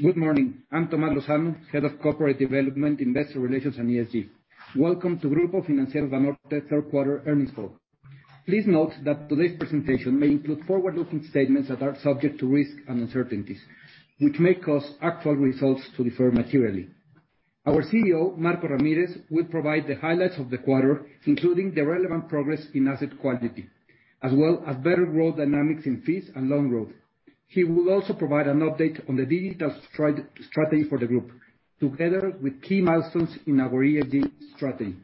Good morning. I'm Tomás Lozano, Head of Corporate Development, Investor Relations, and ESG. Welcome to Grupo Financiero Banorte third quarter earnings call. Please note that today's presentation may include forward-looking statements that are subject to risks and uncertainties, which may cause actual results to differ materially. Our CEO, Marcos Ramírez, will provide the highlights of the quarter, including the relevant progress in asset quality, as well as better growth dynamics in fees and loan growth. He will also provide an update on the digital strategy for the group, together with key milestones in our ESG strategy.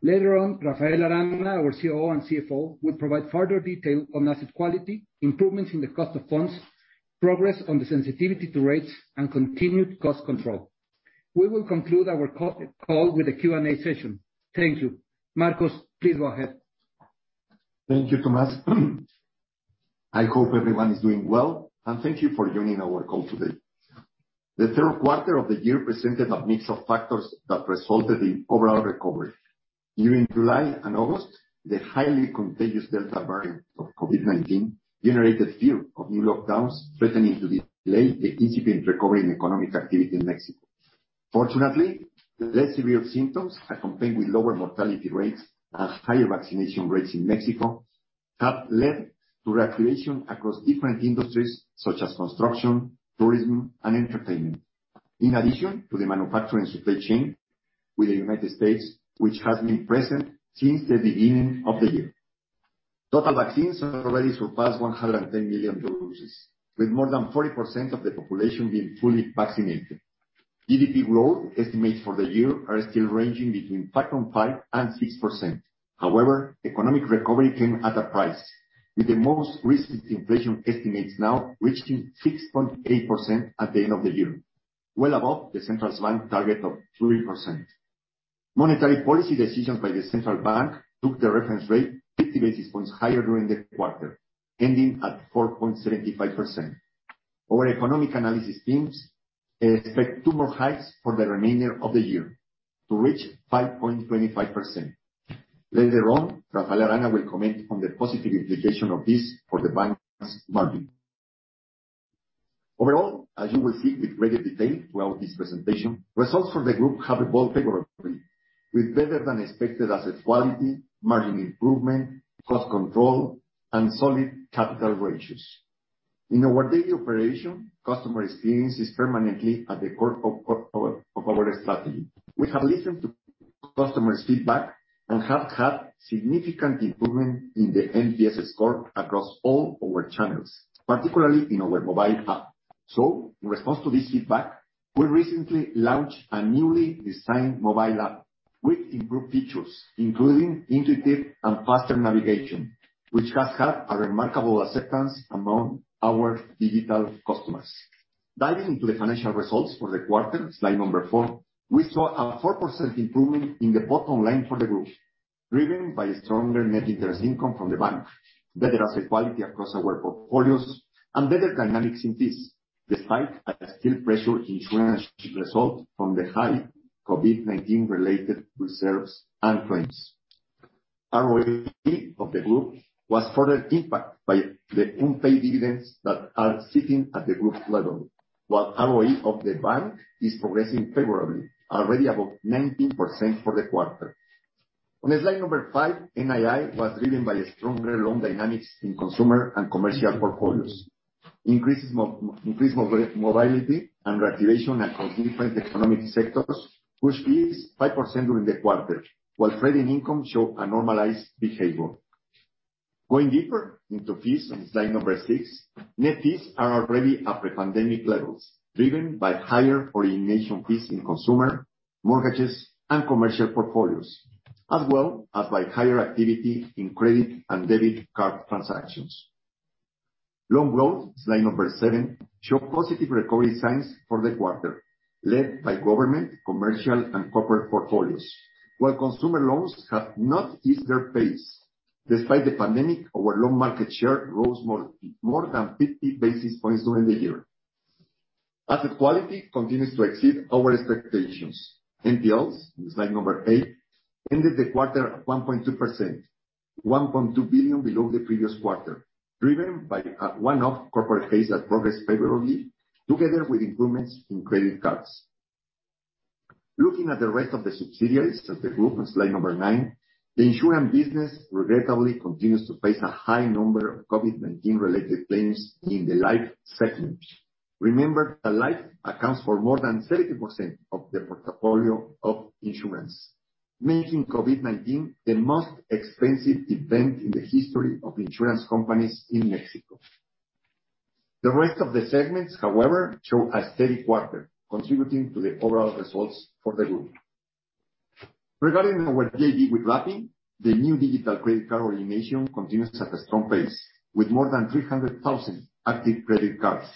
Later on, Rafael Arana, our COO and CFO, will provide further detail on asset quality, improvements in the cost of funds, progress on the sensitivity to rates, and continued cost control. We will conclude our call with a Q&A session. Thank you. Marcos, please go ahead. Thank you, Tomás. I hope everyone is doing well, and thank you for joining our call today. The third quarter of the year presented a mix of factors that resulted in overall recovery. During July and August, the highly contagious Delta variant of COVID-19 generated fear of new lockdowns threatening to delay the incipient recovery in economic activity in Mexico. Fortunately, the less severe symptoms are accompanied with lower mortality rates and higher vaccination rates in Mexico have led to reactivation across different industries such as construction, tourism, and entertainment. In addition to the manufacturing supply chain with the United States, which has been present since the beginning of the year. Total vaccines have already surpassed 110 million doses, with more than 40% of the population being fully vaccinated. GDP growth estimates for the year are still ranging between 5.5% and 6%. However, economic recovery came at a price, with the most recent inflation estimates now reaching 6.8% at the end of the year, well above the central bank target of 3%. Monetary policy decisions by the central bank took the reference rate 50 basis points higher during the quarter, ending at 4.75%. Our economic analysis teams expect two more hikes for the remainder of the year to reach 5.25%. Later on, Rafael Arana will comment on the positive implication of this for the bank's margin. Overall, as you will see with greater detail throughout this presentation, results for the group have evolved favorably with better-than-expected asset quality, margin improvement, cost control, and solid capital ratios. In our daily operation, customer experience is permanently at the core of our strategy. We have listened to customer feedback and have had significant improvement in the NPS score across all our channels, particularly in our mobile app. In response to this feedback, we recently launched a newly designed mobile app with improved features, including intuitive and faster navigation, which has had a remarkable acceptance among our digital customers. Diving into the financial results for the quarter, slide number four, we saw a 4% improvement in the bottom line for the group, driven by stronger net interest income from the bank, better asset quality across our portfolios, and better dynamics in fees, despite a still pressure insurance result from the high COVID-19-related reserves and claims. ROE of the group was further impacted by the unpaid dividends that are sitting at the group level, while ROE of the bank is progressing favorably, already above 19% for the quarter. On slide number five, NII was driven by stronger loan dynamics in consumer and commercial portfolios. Increased mobility and reactivation across different economic sectors, pushed fees 5% during the quarter, while trading income showed a normalized behavior. Going deeper into fees on slide number six, net fees are already at pre-pandemic levels, driven by higher origination fees in consumer, mortgages, and commercial portfolios, as well as by higher activity in credit and debit card transactions. Loan growth, slide number seven, show positive recovery signs for the quarter, led by government, commercial, and corporate portfolios. Consumer loans have not eased their pace, despite the pandemic, our loan market share rose more than 50 basis points during the year. Asset quality continues to exceed our expectations. NPLs, in slide number eight, ended the quarter at 1.2%, 1.2 billion below the previous quarter, driven by a one-off corporate case that progressed favorably together with improvements in credit cards. Looking at the rest of the subsidiaries of the group on slide number nine, the insurance business regrettably continues to face a high number of COVID-19-related claims in the life segment. Remember that life accounts for more than 30% of the portfolio of insurance, making COVID-19 the most expensive event in the history of insurance companies in Mexico. The rest of the segments, however, show a steady quarter, contributing to the overall results for the group. Regarding our JV with Rappi, the new digital credit card origination continues at a strong pace with more than 300,000 active credit cards,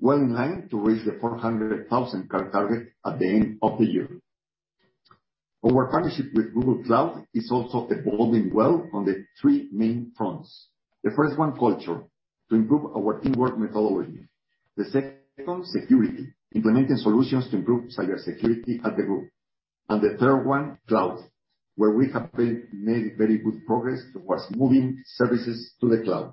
well in line to reach the 400,000 card target at the end of the year. Our partnership with Google Cloud is also evolving well on the three main fronts. The first one, culture, to improve our teamwork methodology. The second, security, implementing solutions to improve cyber security at the group. The third one, cloud, where we have made very good progress towards moving services to the cloud.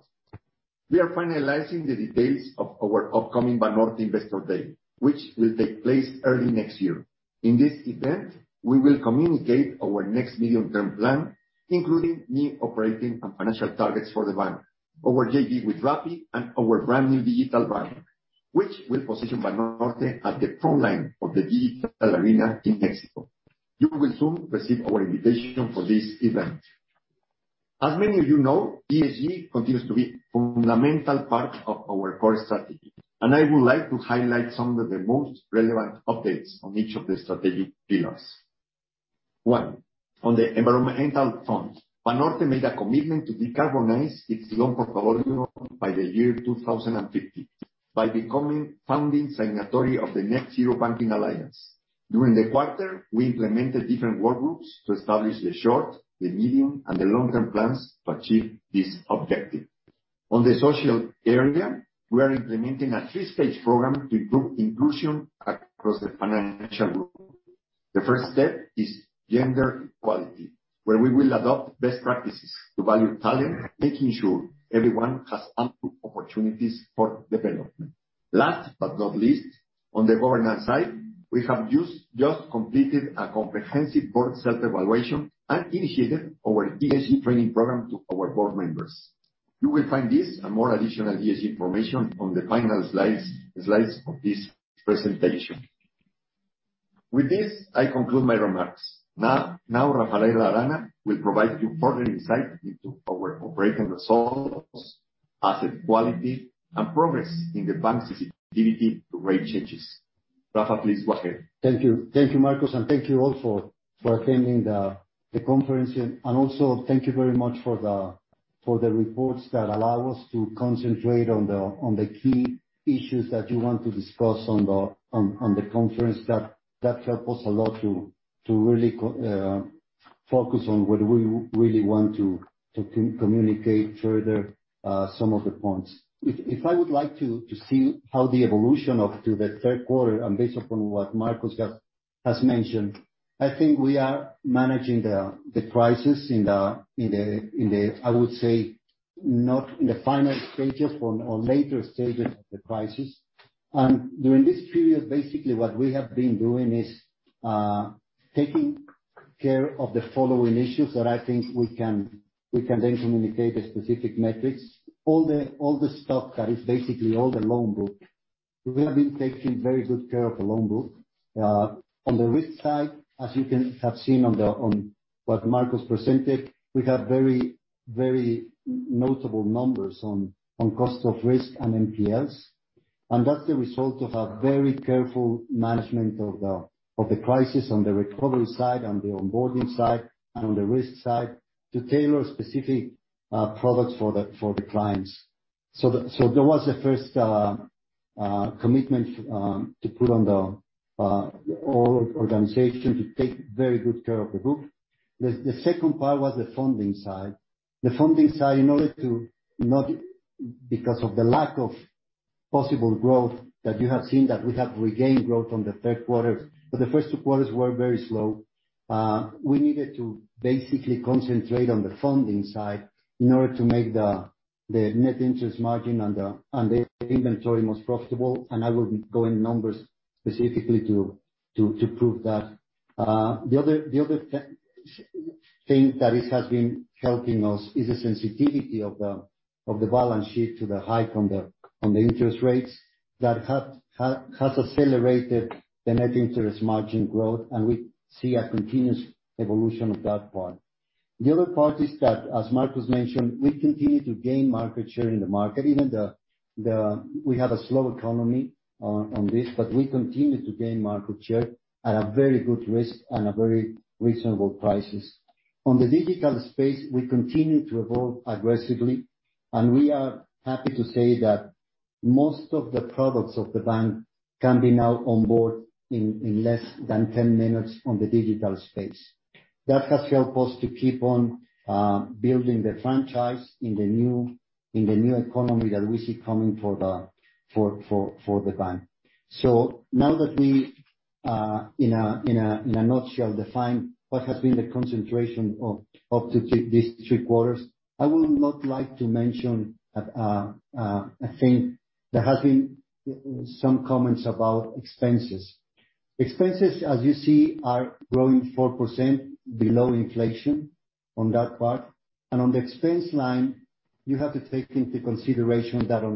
We are finalizing the details of our upcoming Banorte Investor Day, which will take place early next year. In this event, we will communicate our next medium-term plan, including new operating and financial targets for the bank, our JV with Rappi, and our brand-new digital bank, which will position Banorte at the frontline of the digital arena in Mexico. You will soon receive our invitation for this event. As many of you know, ESG continues to be fundamental part of our core strategy, and I would like to highlight some of the most relevant updates on each of the strategic pillars. One, on the environmental front, Banorte made a commitment to decarbonize its loan portfolio by the year 2050 by becoming founding signatory of the Net-Zero Banking Alliance. During the quarter, we implemented different work groups to establish the short, the medium, and the long-term plans to achieve this objective. On the social area, we are implementing a 3-stage program to improve inclusion across the financial group. The first step is gender equality, where we will adopt best practices to value talent, making sure everyone has ample opportunities for development. Last but not least, on the governance side, we have just completed a comprehensive board self-evaluation and initiated our ESG training program to our board members. You will find this and more additional ESG information on the final slides of this presentation. With this, I conclude my remarks. Now Rafael Arana will provide you further insight into our operating results, asset quality, and progress in the bank's sensitivity to rate changes. Rafa, please go ahead. Thank you. Thank you, Marcos, thank you all for attending the conference. Also thank you very much for the reports that allow us to concentrate on the key issues that you want to discuss on the conference. Help us a lot to really focus on what we really want to communicate further, some of the points. If I would like to see how the evolution of to the third quarter. Based upon what Marcos has mentioned, I think we are managing the crisis in the, I would say, not in the final stages or later stages of the crisis. During this period, basically what we have been doing is taking care of the following issues that I think we can then communicate the specific metrics, all the stuff that is basically all the loan book. We have been taking very good care of the loan book. On the risk side, as you can have seen on what Marcos presented, we have very notable numbers on cost of risk and NPLs. That's the result of our very careful management of the crisis on the recovery side, on the onboarding side, and on the risk side to tailor specific products for the clients. There was a first commitment to put on the whole organization to take very good care of the book. The second part was the funding side. The funding side, in order to because of the lack of possible growth that you have seen, that we have regained growth on the third quarter, but the first two quarters were very slow. We needed to basically concentrate on the funding side in order to make the net interest margin and the inventory most profitable. I will be going numbers specifically to prove that. The other thing that has been helping us is the sensitivity of the balance sheet to the hike on the interest rates that has accelerated the net interest margin growth. We see a continuous evolution of that part. The other part is that, as Marcos mentioned, we continue to gain market share in the market. Even though we have a slow economy on this, but we continue to gain market share at a very good risk and a very reasonable prices. On the digital space, we continue to evolve aggressively, and we are happy to say that most of the products of the bank can be now on board in less than 10 minutes on the digital space. That has helped us to keep on building the franchise in the new economy that we see coming for the bank. Now that we, in a nutshell, define what has been the concentration of these three quarters, I would not like to mention a thing. There has been some comments about expenses. Expenses, as you see, are growing 4% below inflation on that part. On the expense line, you have to take into consideration that on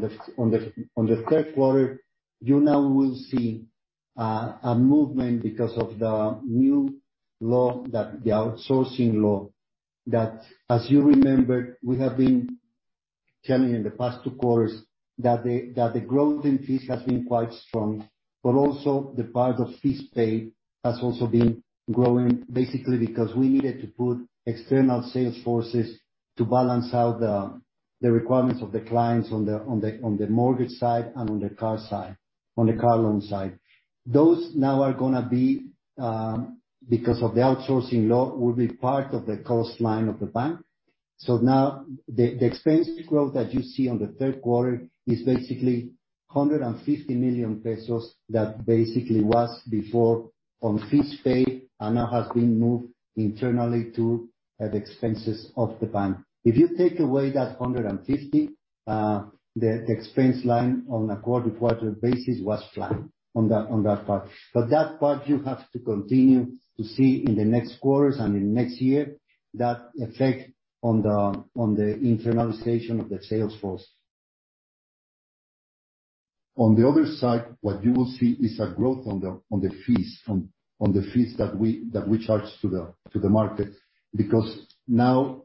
the third quarter, you now will see a movement because of the new law, the outsourcing law, that as you remember, we have been telling you in the past two quarters that the growth in fees has been quite strong, but also the part of fees paid has also been growing, basically because we needed to put external sales forces to balance out the requirements of the clients on the mortgage side and on the car side, on the car loan side. Those now are going to be, because of the outsourcing law, will be part of the cost line of the bank. The expense growth that you see on the third quarter is basically 150 million pesos. That basically was before on fees paid, and now has been moved internally to the expenses of the bank. If you take away that 150 million, the expense line on a quarter-to-quarter basis was flat on that part. That part, you have to continue to see in the next quarters and in next year, that effect on the internalization of the sales force. On the other side, what you will see is a growth on the fees that we charge to the market. Now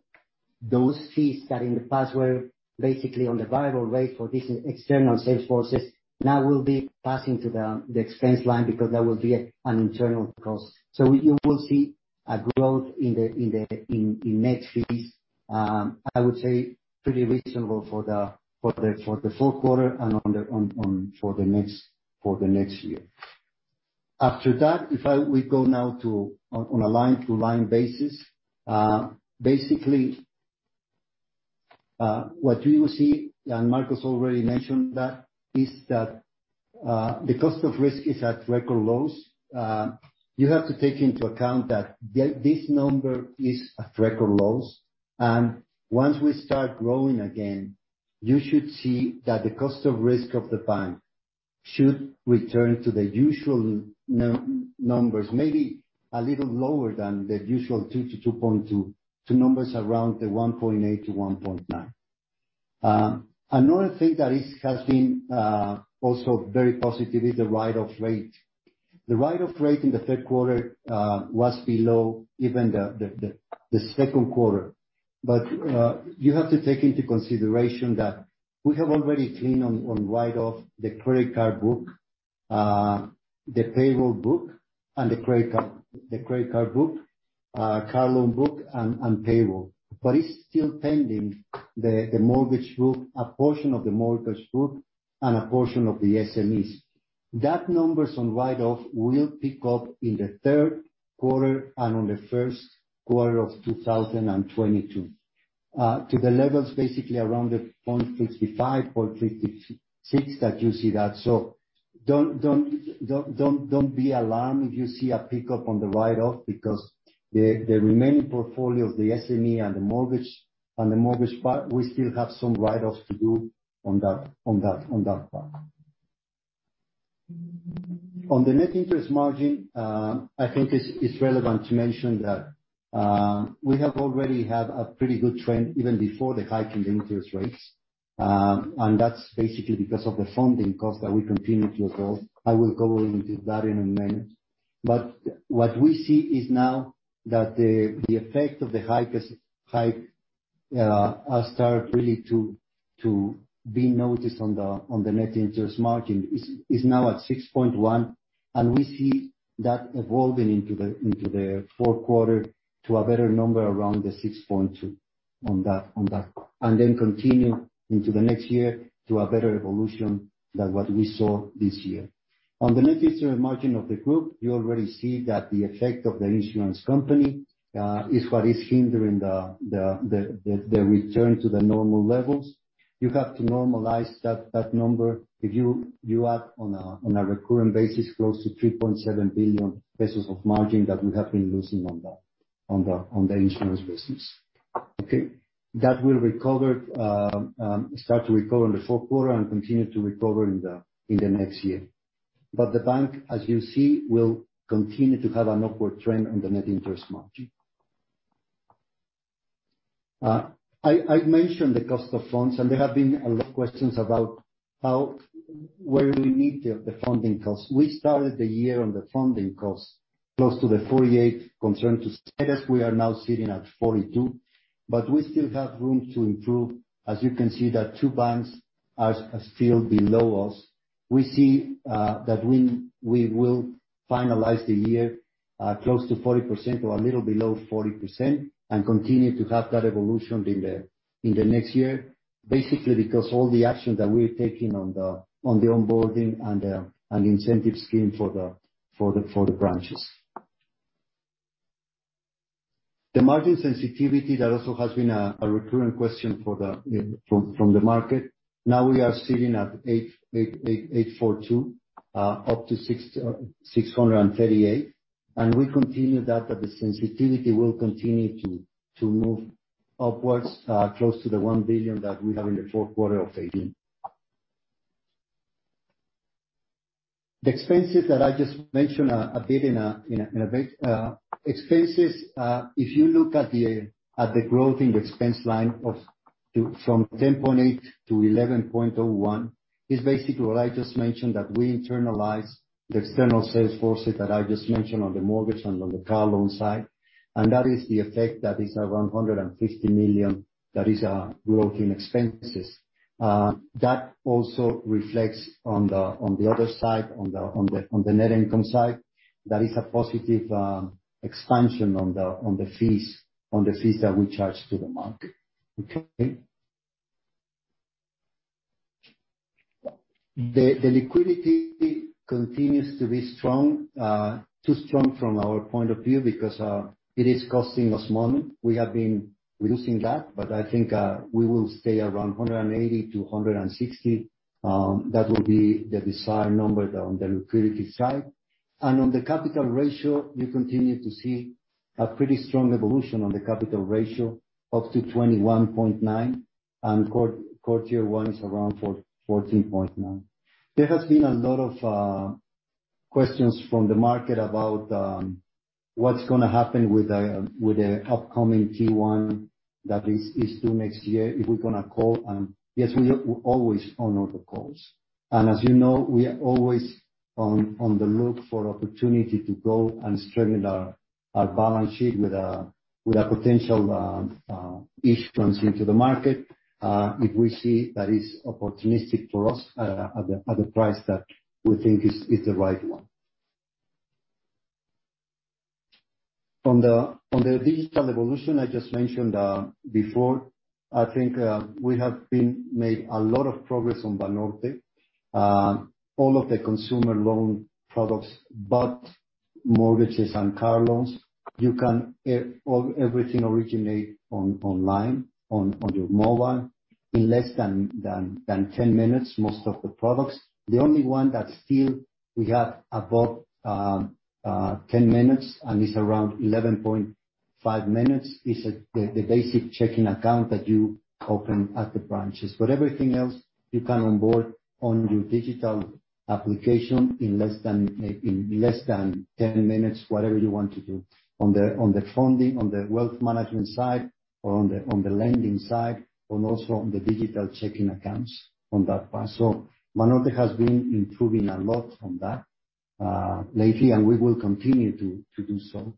those fees that in the past were basically on the variable rate for these external sales forces, now will be passing to the expense line because that will be an internal cost. You will see a growth in net fees, I would say pretty reasonable for the fourth quarter and for the next year. After that, if we go now on a line-to-line basis. Basically, what you will see, Marcos already mentioned that, is that the cost of risk is at record lows. You have to take into account that this number is at record lows. Once we start growing again, you should see that the cost of risk of the bank should return to the usual numbers, maybe a little lower than the usual 2-2.2, to numbers around the 1.8-1.9. Another thing that has been also very positive is the write-off rate. The write-off rate in the third quarter was below even the second quarter. You have to take into consideration that we have already clean on write-off the credit card book, the payroll book, and the credit card book, car loan book, and payroll. It's still pending the mortgage book, a portion of the mortgage book, and a portion of the SMEs. The numbers on write-off will pick up in the third quarter and on the first quarter of 2022, to the levels basically around the 0.55, 0.56 that you see that. Don't be alarmed if you see a pickup on the write-off because the remaining portfolio of the SME and the mortgage part, we still have some write-offs to do on that part. On the net interest margin, I think it's relevant to mention that we have already had a pretty good trend even before the hike in interest rates. That's basically because of the funding cost that we continue to evolve. I will go into that in one minute. What we see is now that the effect of the hike has started really to be noticed on the net interest margin. Is now at 6.1. We see that evolving into the fourth quarter to a better number around the 6.2 on that part. Then continue into the next year to a better evolution than what we saw this year. On the net interest margin of the group, you already see that the effect of the insurance company is what is hindering the return to the normal levels. You have to normalize that number. If you add on a recurring basis, close to 3.7 billion pesos of margin that we have been losing on the insurance business. Okay. That will start to recover in the fourth quarter and continue to recover in the next year. The bank, as you see, will continue to have an upward trend on the net interest margin. I've mentioned the cost of funds, and there have been a lot of questions about where we meet the funding cost. We started the year on the funding cost close to 48%. Concerning to status, we are now sitting at 42%, but we still have room to improve. As you can see that two banks are still below us. We see that we will finalize the year close to 40% or a little below 40%, and continue to have that evolution in the next year. Basically because all the action that we're taking on the onboarding and the incentive scheme for the branches. The margin sensitivity, that also has been a recurring question from the market. Now we are sitting at 842, up to 638. We continue that the sensitivity will continue to move upwards, close to 1 billion that we have in the fourth quarter of 2018. The expenses that I just mentioned a bit, if you look at the growth in the expense line from 10.8-11.01, is basically what I just mentioned, that we internalize the external sales forces that I just mentioned on the mortgage and on the car loan side. That is the effect that is around 150 million. That is our growth in expenses. That also reflects on the other side, on the net income side. That is a positive expansion on the fees that we charge to the market. Okay. The liquidity continues to be strong. Too strong from our point of view, because it is costing us money. We have been reducing that, but I think we will stay around 180-160. That will be the desired number on the liquidity side. On the capital ratio, you continue to see a pretty strong evolution on the capital ratio, up to 21.9%, and Core Tier one is around 14.9%. There has been a lot of questions from the market about what's going to happen with the upcoming Tier one that is due next year, if we're going to call, and yes, we always honor the calls. As you know, we are always on the look for opportunity to go and strengthen our balance sheet with a potential issuance into the market, if we see that is opportunistic for us at the price that we think is the right one. On the digital evolution I just mentioned before, I think we have made a lot of progress on Banorte. All of the consumer loan products, but mortgages and car loans, everything originates online, on your mobile, in less than 10 minutes, most of the products. The only one that still we have above 10 minutes, and it's around 11.5 minutes, is the basic checking account that you open at the branches. Everything else, you can onboard on your digital application in less than 10 minutes, whatever you want to do. On the funding, on the wealth management side, or on the lending side, and also on the digital checking accounts on that part. Banorte has been improving a lot on that lately, and we will continue to do so.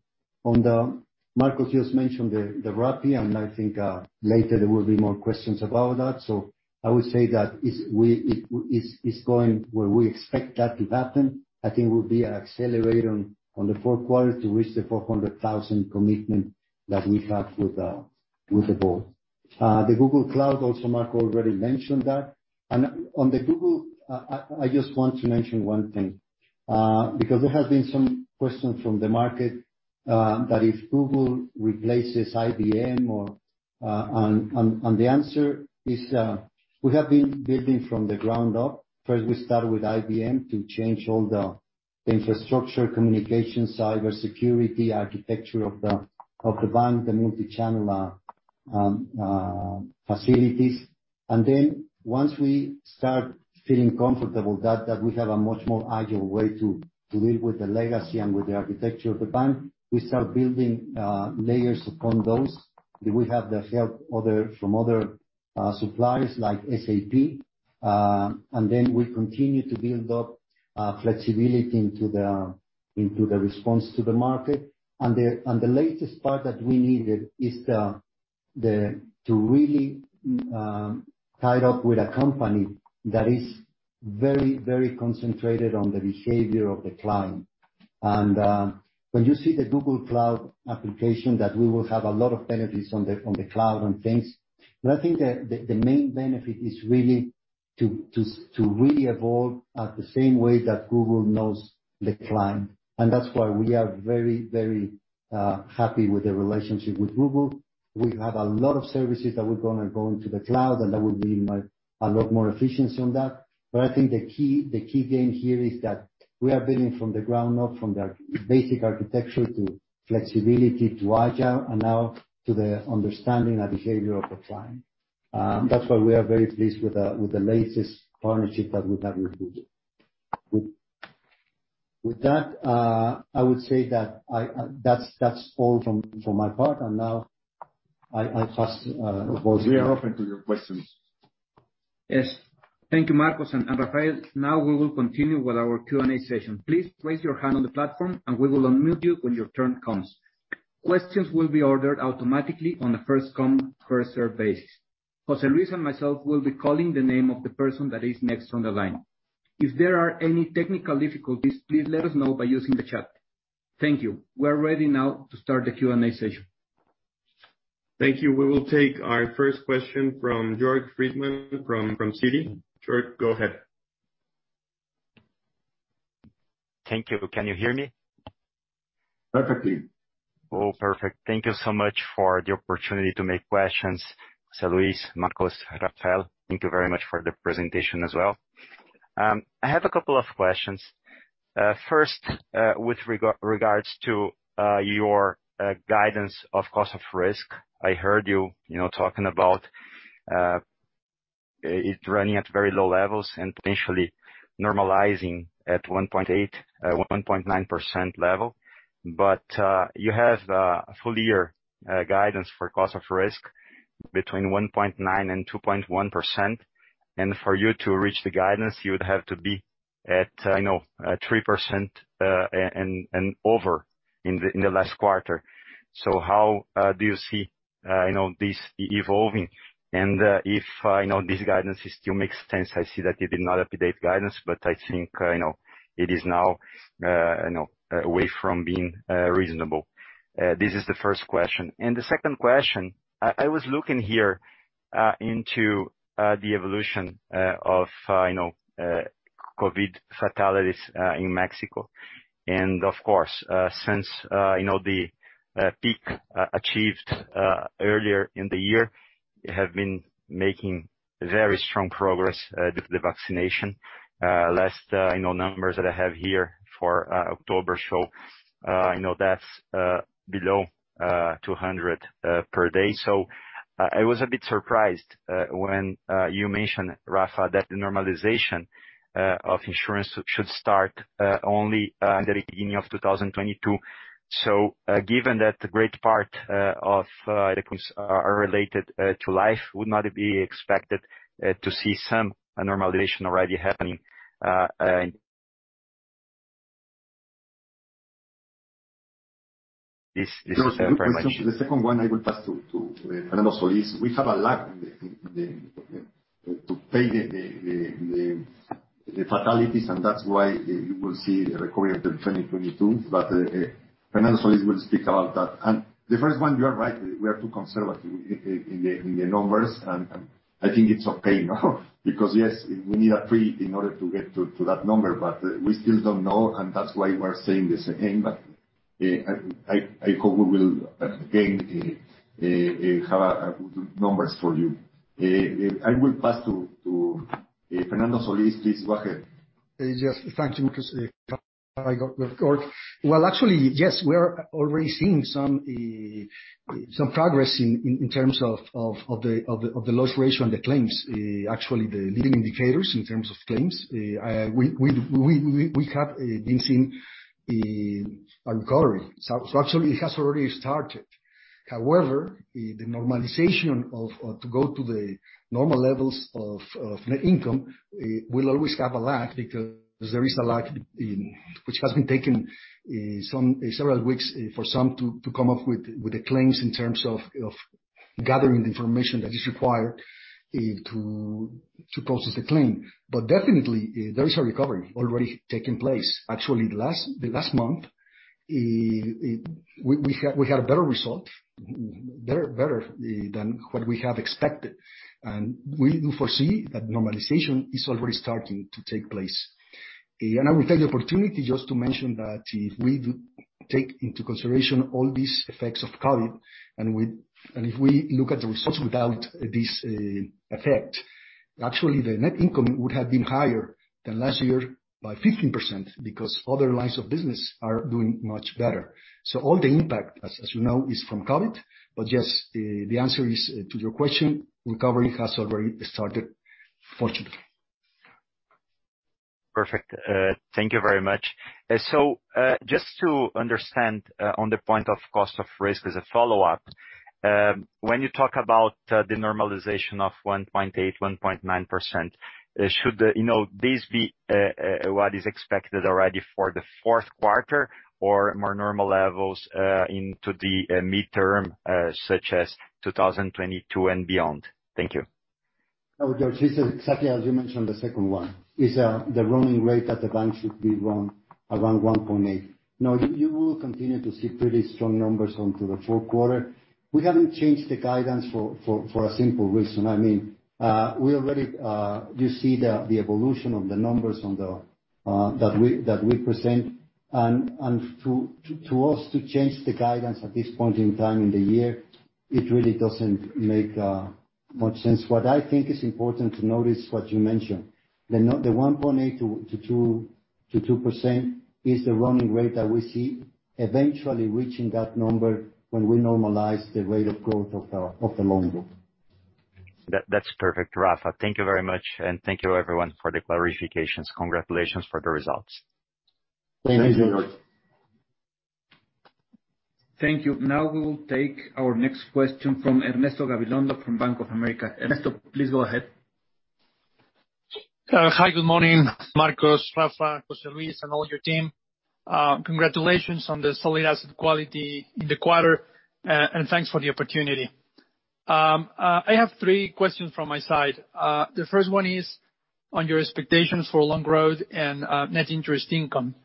Marcos just mentioned the Rappi, and I think later there will be more questions about that. I would say that it's going where we expect that to happen. I think we'll be accelerating on the fourth quarter to reach the 400,000 commitment that we have with the board. The Google Cloud also, Marco already mentioned that. On the Google, I just want to mention one thing, because there have been some questions from the market, that if Google replaces IBM or. The answer is, we have been building from the ground up. First, we started with IBM to change all the infrastructure, communication, cybersecurity, architecture of the bank, the multichannel facilities. Once we start feeling comfortable that we have a much more agile way to deal with the legacy and with the architecture of the bank, we start building layers upon those. We have the help from other suppliers like SAP, we continue to build up flexibility into the response to the market. The latest part that we needed is to really tie it up with a company that is very concentrated on the behavior of the client. When you see the Google Cloud application, that we will have a lot of benefits on the cloud and things. I think the main benefit is really to really evolve at the same way that Google knows the client. That's why we are very happy with the relationship with Google. We have a lot of services that we're going to go into the cloud, that will bring a lot more efficiency on that. I think the key gain here is that we are building from the ground up, from the basic architecture to flexibility to agile, and now to the understanding and behavior of the client. That's why we are very pleased with the latest partnership that we have with Google. With that, I would say that's all from my part. Now I pass the floor to. We are open to your questions. Yes. Thank you, Marcos and Rafael. We will continue with our Q&A session. Please raise your hand on the platform and we will unmute you when your turn comes. Questions will be ordered automatically on a first come, first serve basis. Luis and myself will be calling the name of the person that is next on the line. If there are any technical difficulties, please let us know by using the chat. Thank you. We're ready now to start the Q&A session. Thank you. We will take our first question from Jorg Friedemann from Citi. George, go ahead. Thank you. Can you hear me? Perfectly. Oh, perfect. Thank you so much for the opportunity to make questions. Luis, Marcos, Rafael, thank you very much for the presentation as well. I have a couple of questions. First, with regards to your guidance of cost of risk. I heard you talking about it running at very low levels and potentially normalizing at 1.8%, 1.9% level. You have the full year guidance for cost of risk between 1.9% and 2.1%. For you to reach the guidance, you would have to be at 3% and over in the last quarter. How do you see this evolving? If this guidance still makes sense, I see that you did not update guidance, but I think it is now away from being reasonable. This is the first question. The second question, I was looking here into the evolution of COVID fatalities in Mexico. Of course, since the peak achieved earlier in the year, have been making very strong progress with the vaccination. Last numbers that I have here for October show, that's below 200 per day. I was a bit surprised when you mentioned, Rafa, that the normalization of insurance should start only in the beginning of 2022. Given that the great part of the claims are related to life, would not it be expected to see some normalization already happening? This is my question. The second one I will pass to Fernando Solís. We have a lag to pay the fatalities and that's why you will see the recovery after 2022. Fernando will speak about that. The first one, you are right, we are too conservative in the numbers and I think it's okay now because yes, we need a pre in order to get to that number, but we still don't know and that's why we are saying the same. I hope we will, again, have good numbers for you. I will pass to Fernando Solís. Please go ahead. Yes, thank you, Marcos. Well, actually, yes, we are already seeing some progress in terms of the loss ratio and the claims. Actually, the leading indicators in terms of claims, we have been seeing a recovery. Actually it has already started. However, the normalization to go to the normal levels of net income, we'll always have a lag, because there is a lag which has been taking several weeks for some to come up with the claims in terms of gathering the information that is required to process the claim. Definitely, there is a recovery already taking place. Actually, the last month, we had a better result, better than what we have expected. We do foresee that normalization is already starting to take place. I will take the opportunity just to mention that we do take into consideration all these effects of COVID. If we look at the results without this effect, actually, the net income would have been higher than last year by 15%, because other lines of business are doing much better. All the impact, as you know, is from COVID. Yes, the answer is to your question, recovery has already started, fortunately. Perfect. Thank you very much. Just to understand, on the point of cost of risk as a follow-up, when you talk about the normalization of 1.8%, 1.9%, should these be what is expected already for the fourth quarter or more normal levels into the midterm, such as 2022 and beyond? Thank you. Jorg, this is exactly as you mentioned, the second one, is the running rate that the bank should be around 1.8. You will continue to see pretty strong numbers on through the fourth quarter. We haven't changed the guidance for a simple reason. You see the evolution of the numbers that we present, and to us, to change the guidance at this point in time in the year, it really doesn't make much sense. I think is important to notice what you mentioned. The 1.8%-2% is the running rate that we see eventually reaching that number when we normalize the rate of growth of the loan book. That's perfect, Rafa. Thank you very much, and thank you everyone for the clarifications. Congratulations for the results. Thank you. Thank you. Now we will take our next question from Ernesto Gabilondo from Bank of America. Ernesto, please go ahead. Hi, good morning, Marcos, Rafa, Luis, and all your team. Congratulations on the solid asset quality in the quarter, and thanks for the opportunity. I have three questions from my side. The first one is on your expectations for loan growth and net interest income.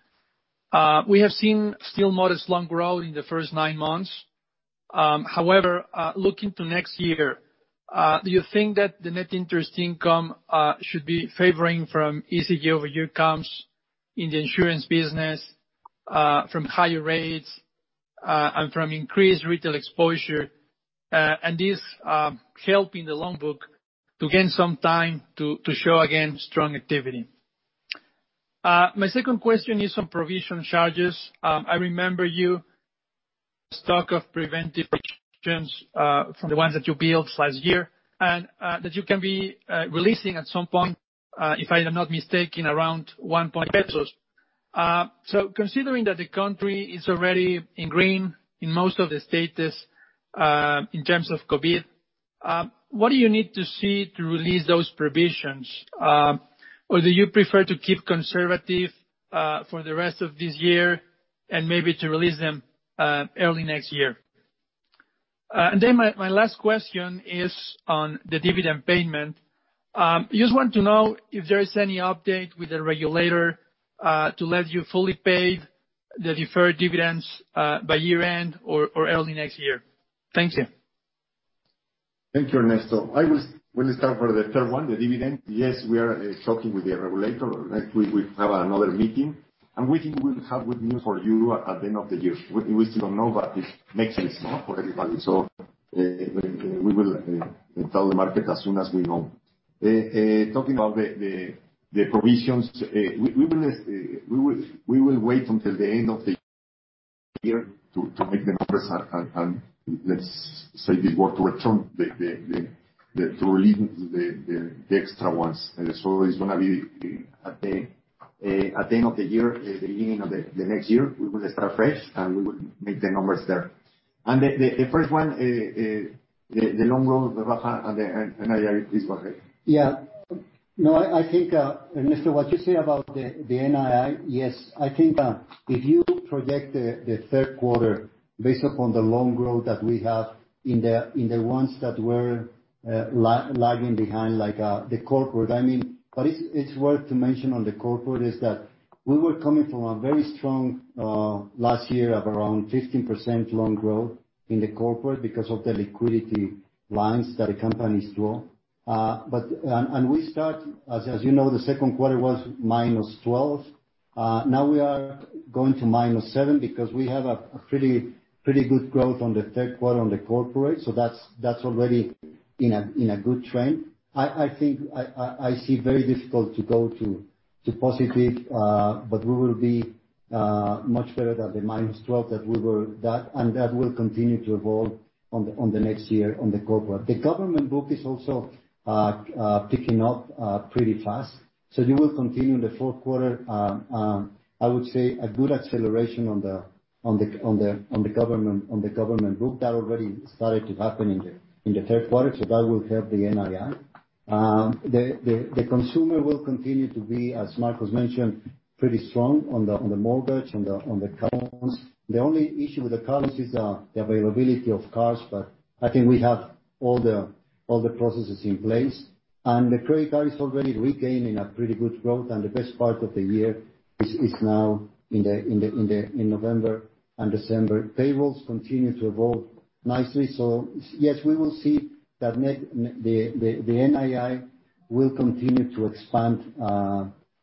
We have seen still modest loan growth in the first nine months. However, looking to next year, do you think that the net interest income should be favoring from easy year-over-year comps in the insurance business, from higher rates, and from increased retail exposure, and this helping the loan book to gain some time to show again strong activity? My second question is on provision charges. I remember you stock of preventive from the ones that you built last year, and that you can be releasing at some point, if I am not mistaken, around 1 billion pesos. Considering that the country is already in green in most of the status in terms of COVID, what do you need to see to release those provisions? Do you prefer to keep conservative for the rest of this year and maybe to release them early next year? My last question is on the dividend payment. I just want to know if there is any update with the regulator to let you fully pay the deferred dividends by year end or early next year. Thank you. Thank you, Ernesto. I will start for the third one, the dividend. We are talking with the regulator. Next week, we have another meeting, we think we will have good news for you at the end of the year. We still don't know, it makes sense for everybody. We will tell the market as soon as we know. Talking about the provisions, we will wait until the end of the year to make the numbers, let's say, return to releasing the extra ones. It's going to be at the end of the year, the beginning of the next year, we will start fresh, we will make the numbers there. The first one, the loan growth, Rafa and NII, please go ahead. I think, Ernesto, what you say about the NII, yes. I think if you project the third quarter based upon the loan growth that we have in the ones that were lagging behind, like the corporate. It's worth to mention on the corporate is that we were coming from a very strong last year of around 15% loan growth in the corporate because of the liquidity lines that the companies draw. We start, as you know, the second quarter was -12%. Now we are going to -7% because we have a pretty good growth on the third quarter on the corporate, that's already in a good trend. I think I see very difficult to go to positive, we will be much better than the -12%, that will continue to evolve on the next year on the corporate. The government book is also picking up pretty fast. You will continue in the fourth quarter, I would say, a good acceleration on the government group. That already started to happen in the third quarter, that will help the NII. The consumer will continue to be, as Marcos mentioned, pretty strong on the mortgage, on the cars. The only issue with the cars is the availability of cars, but I think we have all the processes in place. The credit card is already regaining a pretty good growth, and the best part of the year is now in November and December. Payables continue to evolve nicely. Yes, we will see that the NII will continue to expand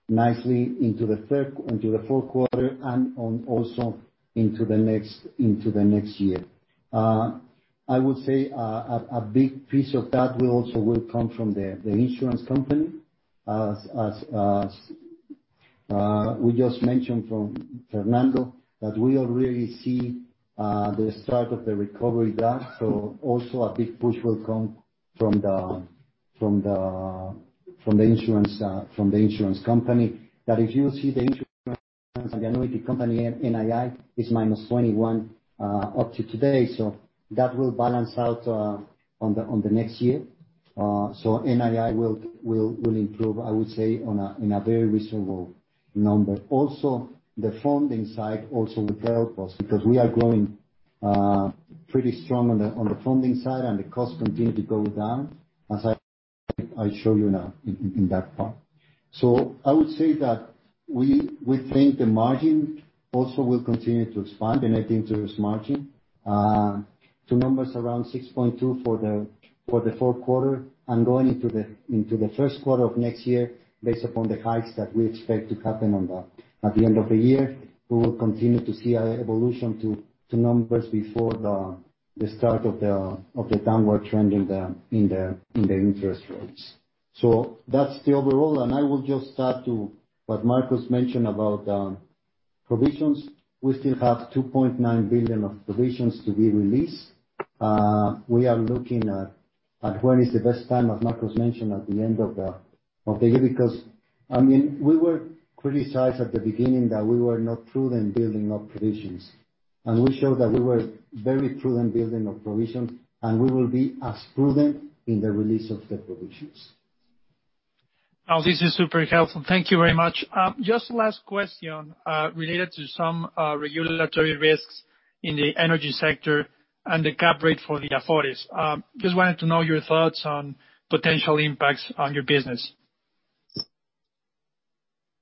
nicely into the fourth quarter and also into the next year. I would say a big piece of that also will come from the insurance company, as we just mentioned from Fernando, that we already see the start of the recovery there. Also a big push will come from the insurance company. That if you see the insurance and the annuity company NII is -21 up to today. That will balance out on the next year. NII will improve, I would say, in a very reasonable number. Also, the funding side also will help us, because we are growing pretty strong on the funding side and the costs continue to go down, as I show you now in that part. I would say that we think the margin also will continue to expand, the net interest margin, to numbers around 6.2% for the fourth quarter. Going into the first quarter of next year, based upon the hikes that we expect to happen at the end of the year, we will continue to see a evolution to numbers before the start of the downward trend in the interest rates. That's the overall, and I will just add to what Marcos mentioned about provisions. We still have 2.9 billion of provisions to be released. We are looking at when is the best time, as Marcos mentioned, at the end of the year because we were criticized at the beginning that we were not prudent building up provisions. We showed that we were very prudent building up provisions, and we will be as prudent in the release of the provisions. No, this is super helpful. Thank you very much. Just last question, related to some regulatory risks in the energy sector and the cap rate for the Afores. Just wanted to know your thoughts on potential impacts on your business.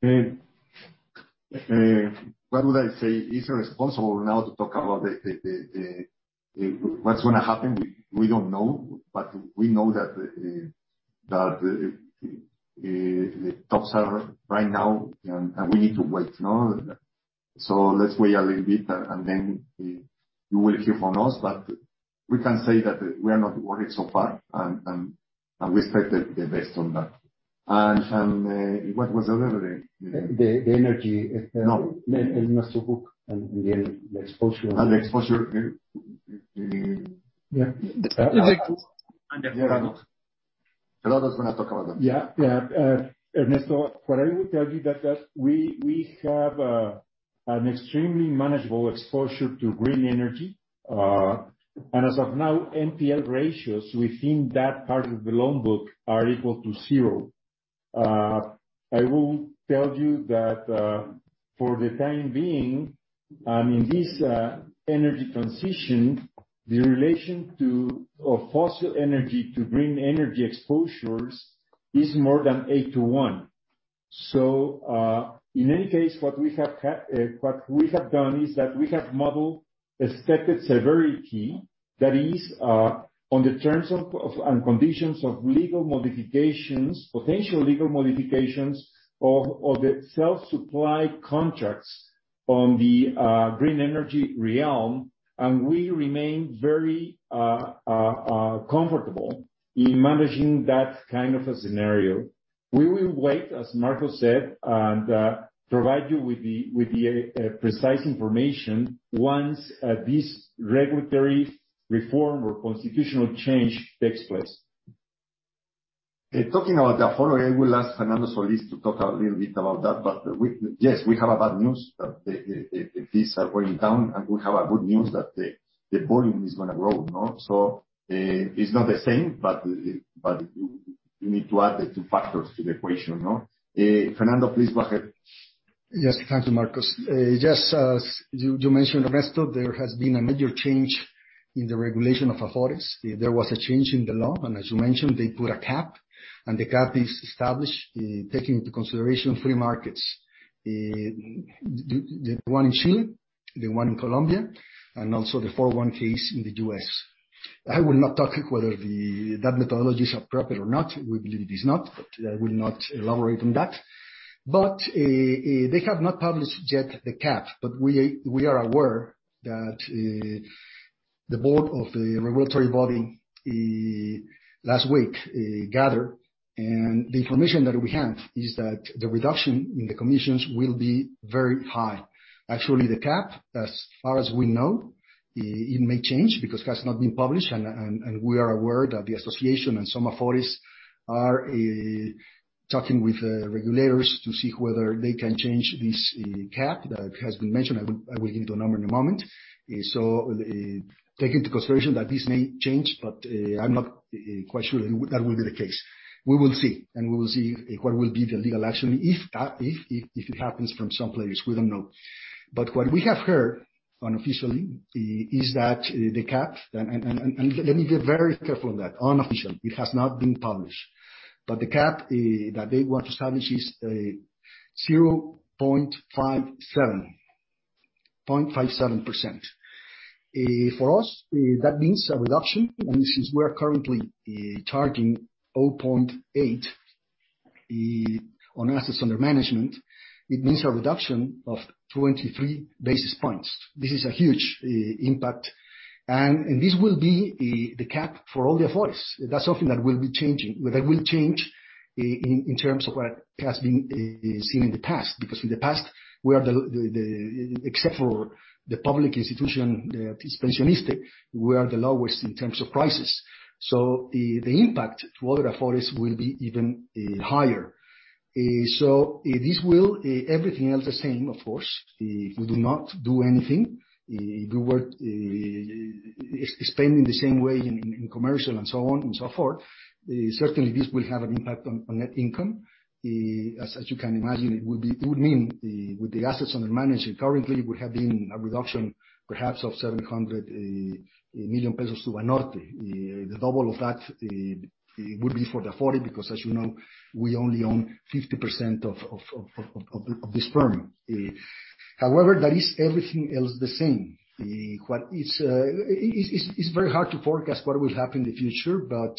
What would I say? It's irresponsible now to talk about what's going to happen. We don't know. We know that the talks are right now and we need to wait. Let's wait a little bit, and then you will hear from us. We can say that we are not worried so far and we expect the best on that. What was the other thing? The energy- No. Investor book and the exposure. The exposure. Yeah. Gerardo is going to talk about that. Yeah. Ernesto, what I will tell you that we have an extremely manageable exposure to green energy. As of now, NPL ratios within that part of the loan book are equal to zero. I will tell you that for the time being, in this energy transition, the relation of fossil energy to green energy exposures is more than eight to one. In any case, what we have done is that we have modeled expected severity, that is, on the terms and conditions of potential legal modifications of the self-supply contracts on the green energy realm, and we remain very comfortable in managing that kind of a scenario. We will wait, as Marcos said, and provide you with the precise information once this regulatory reform or constitutional change takes place. Talking about the follow, I will ask Fernando Solís to talk a little bit about that. Yes, we have bad news, that fees are going down, and we have good news that the volume is going to grow. It's not the same, but you need to add the two factors to the equation. Fernando, please go ahead. Yes. Thank you, Marcos. Just as you mentioned, Ernesto, there has been a major change in the regulation of Afores. There was a change in the law, as you mentioned, they put a cap, and the cap is established taking into consideration free markets. The one in Chile, the one in Colombia, also the 401(k) in the U.S. I will not talk whether that methodologies are proper or not. We believe it is not, I will not elaborate on that. They have not published yet the cap. We are aware that the board of the regulatory body last week gathered, and the information that we have is that the reduction in the commissions will be very high. Actually, the cap, as far as we know, it may change because it has not been published, and we are aware that the association and some Afores are talking with the regulators to see whether they can change this cap that has been mentioned. I will give you a number in a moment. Take into consideration that this may change, but I'm not quite sure that will be the case. We will see, and we will see what will be the legal action if it happens from some place, we don't know. What we have heard unofficially is that the cap, and let me be very careful on that. Unofficially, it has not been published. The cap that they want to establish is 0.57%. For us, that means a reduction. Since we're currently charging 0.8 on assets under management, it means a reduction of 23 basis points. This is a huge impact. This will be the cap for all the Afores. That's something that will change in terms of what has been seen in the past. In the past, except for the public institution, the PENSIONISSSTE, we are the lowest in terms of prices. The impact to other Afores will be even higher. This will, everything else the same, of course, we do not do anything. We work, spend in the same way in commercial and so on and so forth. Certainly, this will have an impact on net income. As you can imagine, it would mean with the assets under management currently, it would have been a reduction perhaps of 700 million pesos to Banorte. The double of that would be for the Afore because, as you know, we only own 50% of this firm. However, that is everything else the same. It's very hard to forecast what will happen in the future, but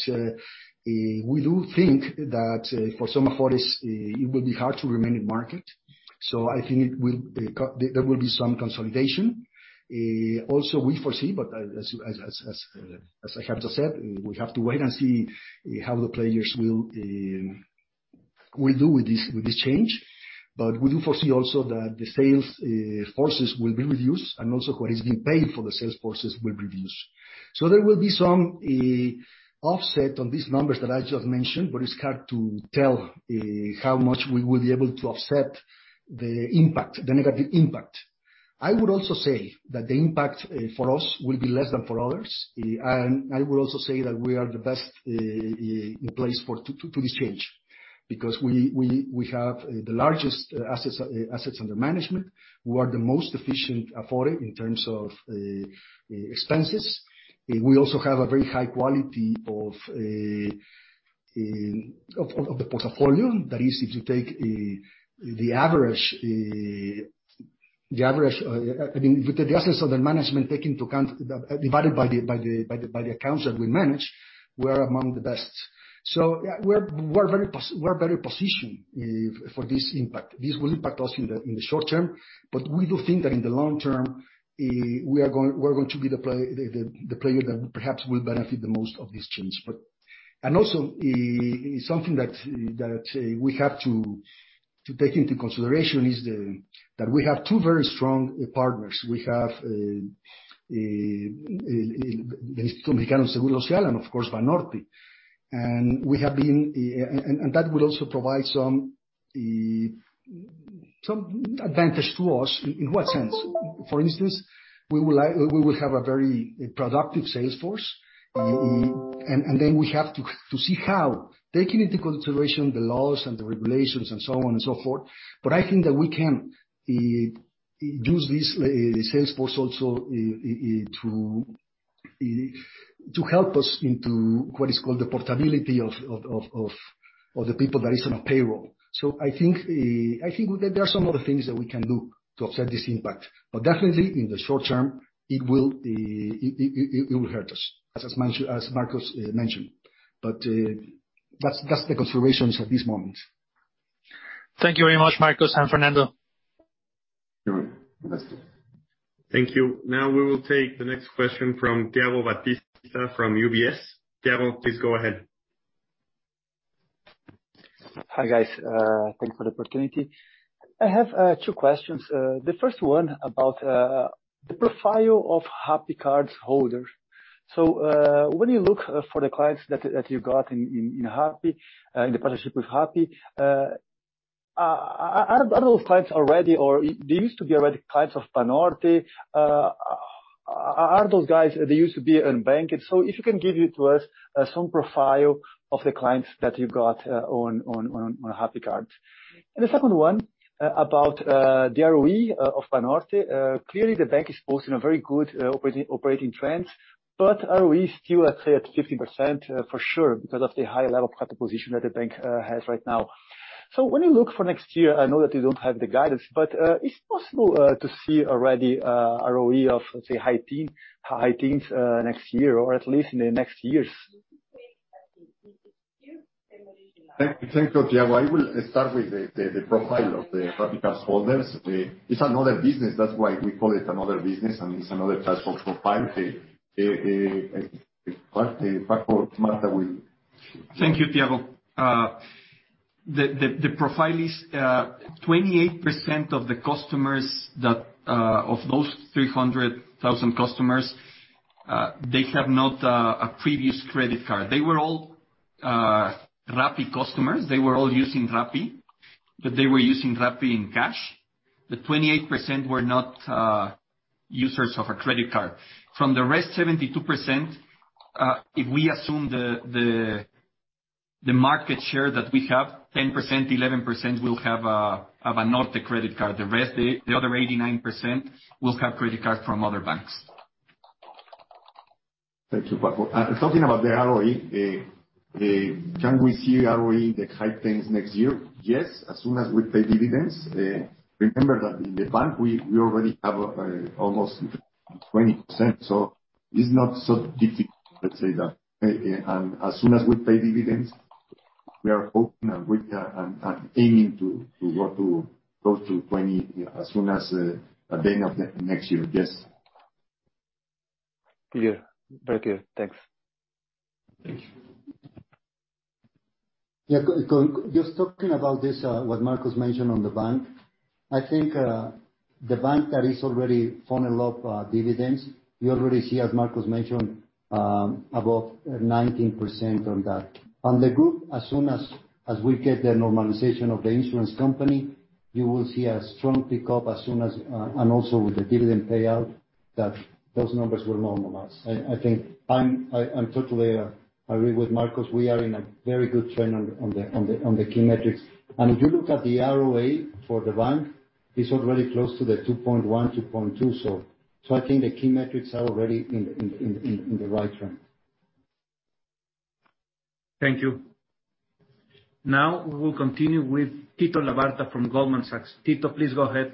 we do think that for some Afores, it will be hard to remain in market. I think there will be some consolidation. Also, we foresee, but as Javier said, we have to wait and see how the players will do with this change. We do foresee also that the sales forces will be reduced and also what is being paid for the sales forces will reduce. There will be some offset on these numbers that I just mentioned, but it's hard to tell how much we will be able to offset the negative impact. I would also say that the impact for us will be less than for others. I will also say that we are the best placed to this change because we have the largest assets under management. We are the most efficient Afore in terms of expenses. We also have a very high quality of the portfolio. That is, if you take the average, with the assets under management take into account, divided by the accounts that we manage, we're among the best. We're very positioned for this impact. This will impact us in the short term, but we do think that in the long term, we're going to be the player that perhaps will benefit the most of this change. Also something that we have to take into consideration is that we have two very strong partners. We have Grupo Financiero Banorte. That would also provide some advantage to us. In what sense? For instance, we will have a very productive sales force. We have to see how, taking into consideration the laws and the regulations and so on and so forth. I think that we can use this sales force also to To help us into what is called the portability of the people that is on a payroll. I think that there are some other things that we can do to offset this impact. Definitely, in the short term, it will hurt us, as Marcos mentioned. That's the considerations at this moment. Thank you very much, Marcos and Fernando. You're welcome. Thank you. Now we will take the next question from Thiago Batista from UBS. Thiago, please go ahead. Hi, guys. Thanks for the opportunity. I have two questions. The first one about the profile of RappiCard holders. When you look for the clients that you got in the partnership with Rappi, are those clients already, or they used to be already clients of Banorte? Are those guys, they used to be unbanked? If you can give it to us, some profile of the clients that you got on RappiCard. The second one, about the ROE of Banorte. Clearly, the bank is posting a very good operating trend. ROE is still at 15%, for sure, because of the high level capital position that the bank has right now. When you look for next year, I know that you don't have the guidance, but is it possible to see already a ROE of, let's say, high teens next year or at least in the next years? Thank you, Thiago. I will start with the profile of the RappiCard holders. It's another business. That's why we call it another business, and it's another type of profile. Paco or Marcos will Thank you, Thiago. The profile is, 28% of those 300,000 customers, they have not a previous credit card. They were all Rappi customers. They were all using Rappi, but they were using Rappi in cash. 28% were not users of a credit card. From the rest, 72%, if we assume the market share that we have, 10%, 11% will have a Banorte credit card. The other 89% will have credit cards from other banks. Thank you, Paco. Talking about the ROE, can we see ROE in the high teens next year? Yes, as soon as we pay dividends. Remember that in the bank, we already have almost 20%. It's not so difficult, let's say that. As soon as we pay dividends, we are hoping and aiming to go to 20% as soon as the end of next year. Yes. Clear. Very clear. Thanks. Thank you. Yeah. Just talking about this, what Marcos mentioned on the bank. I think, the bank that is already funneling up dividends, you already see, as Marcos mentioned, above 19% on that. On the group, as we get the normalization of the insurance company, you will see a strong pickup, and also with the dividend payout, that those numbers will normalize. I totally agree with Marcos. We are in a very good trend on the key metrics. If you look at the ROA for the bank, it's already close to the 2.1%, 2.2%. I think the key metrics are already in the right trend. Thank you. Now we will continue with Tito Labarta from Goldman Sachs. Tito, please go ahead.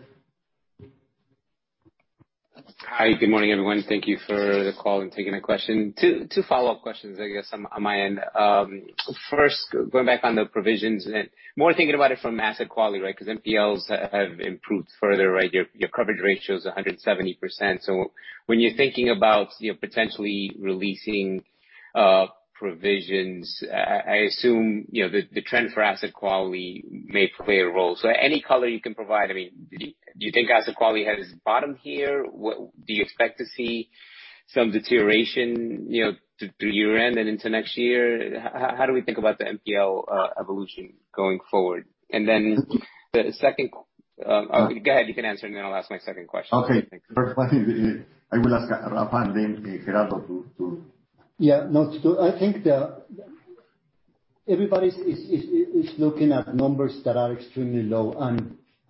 Hi. Good morning, everyone. Thank you for the call and taking the question. Two follow-up questions, I guess, on my end. First, going back on the provisions and more thinking about it from asset quality, right? Because NPLs have improved further. Your coverage ratio is 170%. When you're thinking about potentially releasing provisions, I assume the trend for asset quality may play a role. Any color you can provide. Do you think asset quality has bottomed here? Do you expect to see some deterioration through year-end and into next year? How do we think about the NPL evolution going forward? Then the second - Go ahead, you can answer, and then I'll ask my second question. Okay. First one, I will ask Rafa and then Gerardo. Yeah. No, I think everybody is looking at numbers that are extremely low.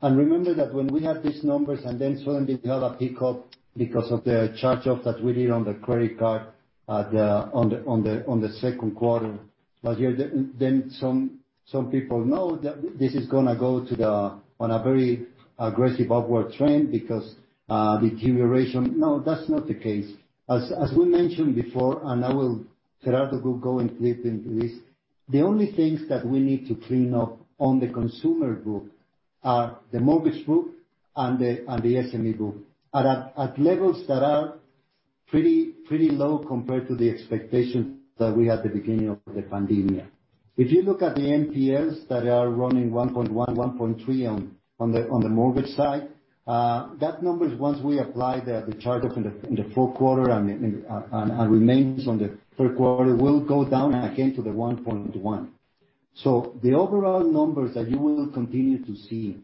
Remember that when we have these numbers, suddenly we have a pickup because of the charge-off that we did on the credit card on the second quarter last year, some people know that this is going to go on a very aggressive upward trend because of deterioration. No, that's not the case. As we mentioned before, Gerardo will go into this, the only things that we need to clean up on the consumer group are the mortgage group and the SME group, are at levels that are pretty low compared to the expectations that we had at the beginning of the pandemic. If you look at the NPLs that are running 1.1, 1.3 on the mortgage side, that number, once we apply the charge-off in the fourth quarter and remains on the third quarter, will go down again to the 1.1. The overall numbers that you will continue to see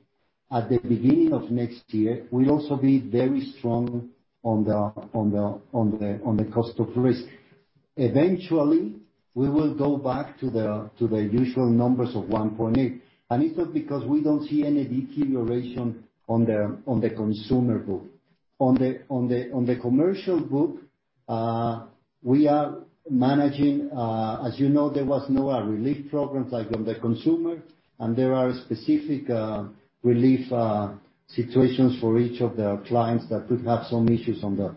at the beginning of next year will also be very strong on the cost of risk. Eventually, we will go back to the usual numbers of 1.8. It's not because we don't see any deterioration on the consumer book. On the commercial book, as you know, there was no relief programs like on the consumer, and there are specific relief situations for each of the clients that could have some issues on the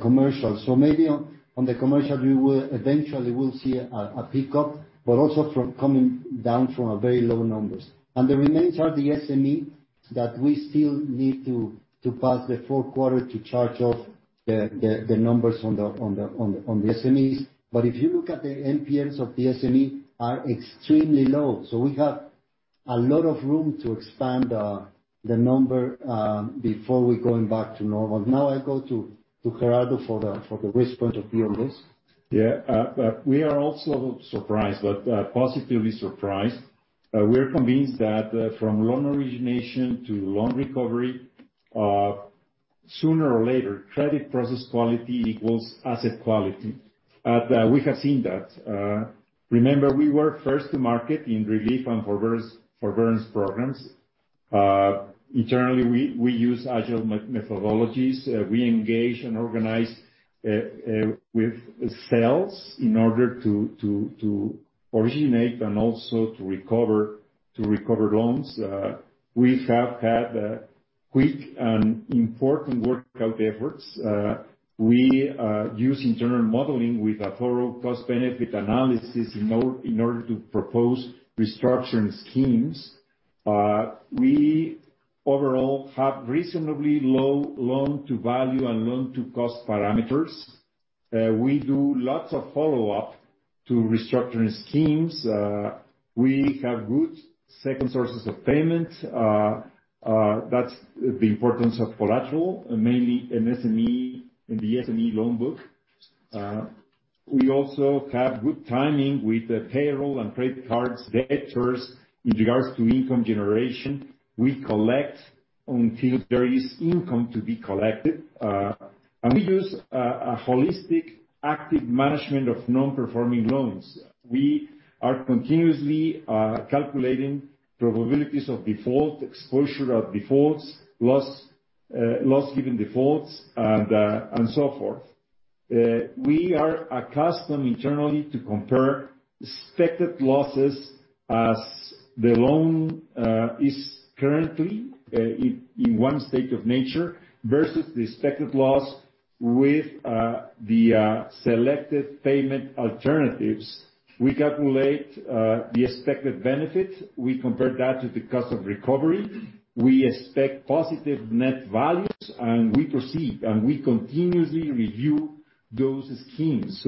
commercial. Maybe on the commercial, we will eventually see a pickup, but also coming down from very low numbers. The remains are the SME that we still need to pass the fourth quarter to charge off the numbers on the SMEs. If you look at the NPLs of the SME, are extremely low. We have a lot of room to expand the number before we're going back to normal. I go to Gerardo for the risk point of view on this. Yeah. We are also surprised, positively surprised. We are convinced that from loan origination to loan recovery, sooner or later, credit process quality equals asset quality. We have seen that. Remember, we were first to market in relief and forbearance programs. Internally, we use agile methodologies. We engage and organize with sales in order to originate and also to recover loans. We have had quick and important workup efforts. We use internal modeling with a thorough cost-benefit analysis in order to propose restructuring schemes. We overall have reasonably low loan-to-value and loan-to-cost parameters. We do lots of follow-up to restructuring schemes. We have good second sources of payment. That's the importance of collateral, mainly in the SME loan book. We also have good timing with the payroll and credit cards debtors in regards to income generation. We collect until there is income to be collected. We use a holistic, active management of non-performing loans. We are continuously calculating probabilities of default, exposure of defaults, loss-given defaults, and so forth. We are accustomed internally to compare expected losses as the loan is currently in one state of nature versus the expected loss with the selected payment alternatives. We calculate the expected benefit, we compare that to the cost of recovery, we expect positive net values, we proceed. We continuously review those schemes.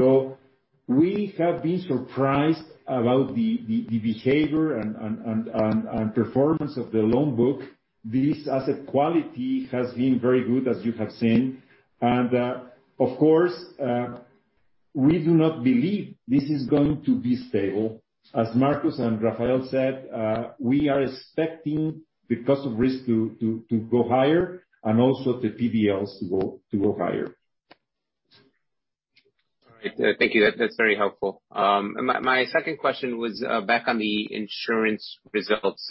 We have been surprised about the behavior and performance of the loan book. This asset quality has been very good, as you have seen. Of course, we do not believe this is going to be stable. As Marcos and Rafael said, we are expecting the cost of risk to go higher and also the NPLs to go higher. All right. Thank you. That's very helpful. My second question was back on the insurance results.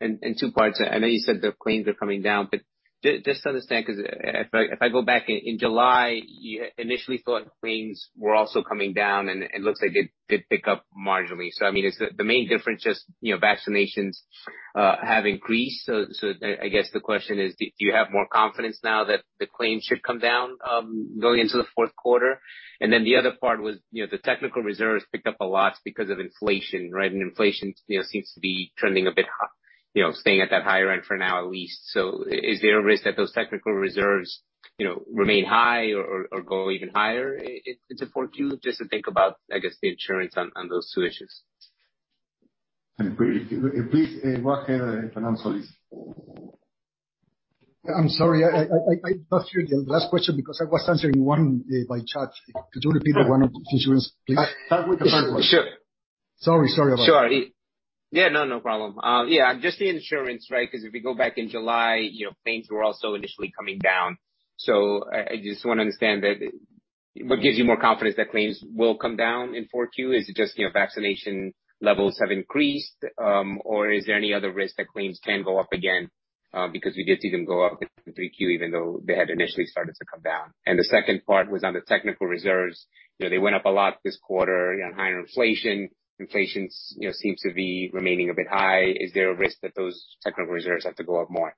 In two parts. I know you said the claims are coming down, just to understand, because if I go back, in July, you initially thought claims were also coming down, and it looks like they did pick up marginally. Is the main difference just vaccinations have increased? I guess the question is, do you have more confidence now that the claims should come down going into the fourth quarter? The other part was, the technical reserves picked up a lot because of inflation, right? Inflation seems to be trending a bit, staying at that higher end for now at least. Is there a risk that those technical reserves remain high or go even higher in Q4? Just to think about, I guess, the insurance on those two issues. Please, Fernando Solís? I'm sorry. I lost you the last question because I was answering one by chat. Could you repeat the one on insurance, please? Start with the first question. Sorry about that. Sure. Yeah, no problem. Yeah, just the insurance, right? If we go back in July, claims were also initially coming down. I just want to understand what gives you more confidence that claims will come down in Q4. Is it just vaccination levels have increased, or is there any other risk that claims can go up again? We did see them go up in Q3 even though they had initially started to come down. The second part was on the technical reserves. They went up a lot this quarter. You had higher inflation. Inflation seems to be remaining a bit high. Is there a risk that those technical reserves have to go up more?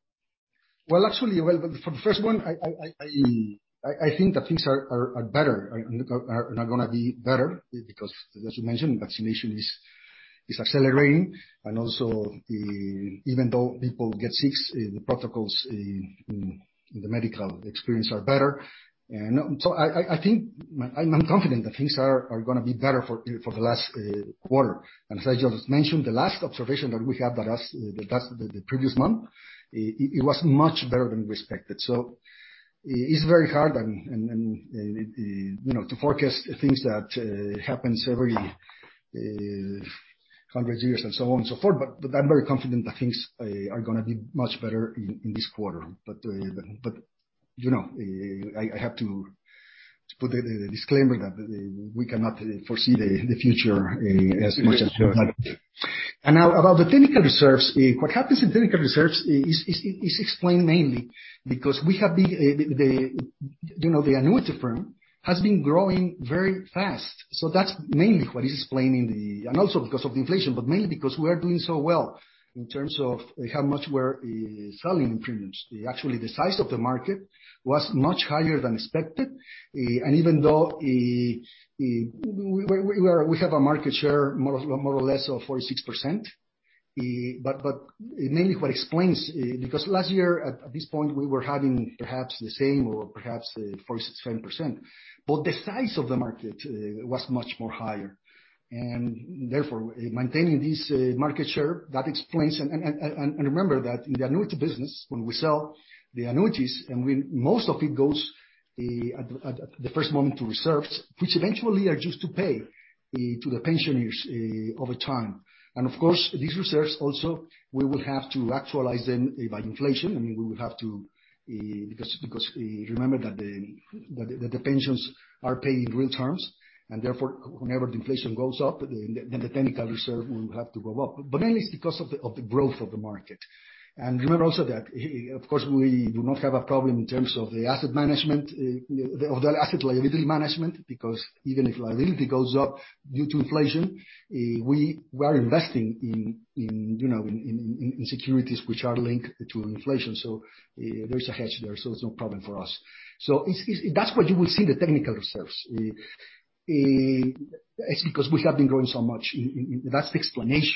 Well, actually, for the first one, I think that things are better and are going to be better because, as you mentioned, vaccination is accelerating. Also, even though people get sick, the protocols in the medical experience are better. I'm confident that things are going to be better for the last quarter. As I just mentioned, the last observation that we had the previous month, it was much better than we expected. It's very hard to forecast things that happens every hundred years and so on and so forth. I'm very confident that things are going to be much better in this quarter. I have to put the disclaimer that we cannot foresee the future. Now about the technical reserves. What happens in technical reserves is explained mainly because the annuity firm has been growing very fast. That's mainly what is explaining. Also because of inflation, but mainly because we are doing so well in terms of how much we're selling premiums. Actually, the size of the market was much higher than expected. Even though we have a market share, more or less of 46%, but mainly what explains, because last year at this point, we were having perhaps the same or perhaps 47%, but the size of the market was much higher. Therefore, maintaining this market share, that explains. Remember that in the annuity business, when we sell the annuities, and most of it goes at the first moment to reserves, which eventually are used to pay to the pensioners over time. Of course, these reserves also, we will have to actualize them by inflation. Remember that the pensions are paid in real terms. Therefore, whenever the inflation goes up, the technical reserve will have to go up. Mainly it's because of the growth of the market. Remember also that, of course, we do not have a problem in terms of the asset liability management, because even if liability goes up due to inflation, we are investing in securities which are linked to inflation. There is a hedge there, so it's no problem for us. That's what you will see the technical reserves. It's because we have been growing so much. That's the explanation.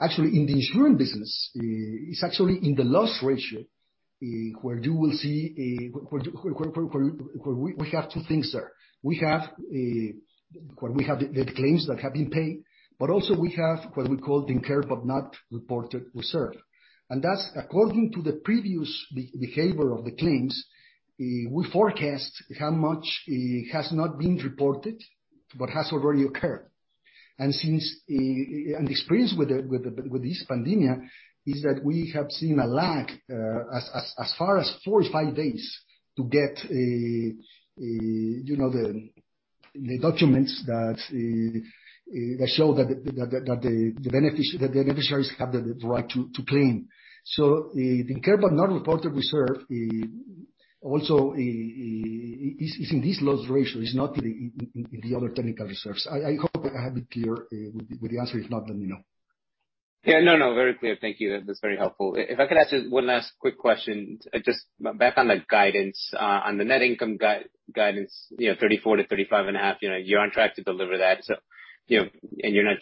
Actually, in the insurance business, it's actually in the loss ratio where you will see. We have two things there. We have the claims that have been paid, but also we have what we call the incurred but not reported reserve. That's according to the previous behavior of the claims, we forecast how much has not been reported, but has already occurred. The experience with this pandemia is that we have seen a lag, as far as four to five days to get the documents that show that the beneficiaries have the right to claim. The incurred but not reported reserve also is in this loss ratio. It's not in the other technical reserves. I hope I have it clear. If the answer is not, then you know. Yeah, no, very clear. Thank you. That's very helpful. If I could ask you one last quick question, just back on the guidance, on the net income guidance, 34-35.5. You're on track to deliver that, and you're not.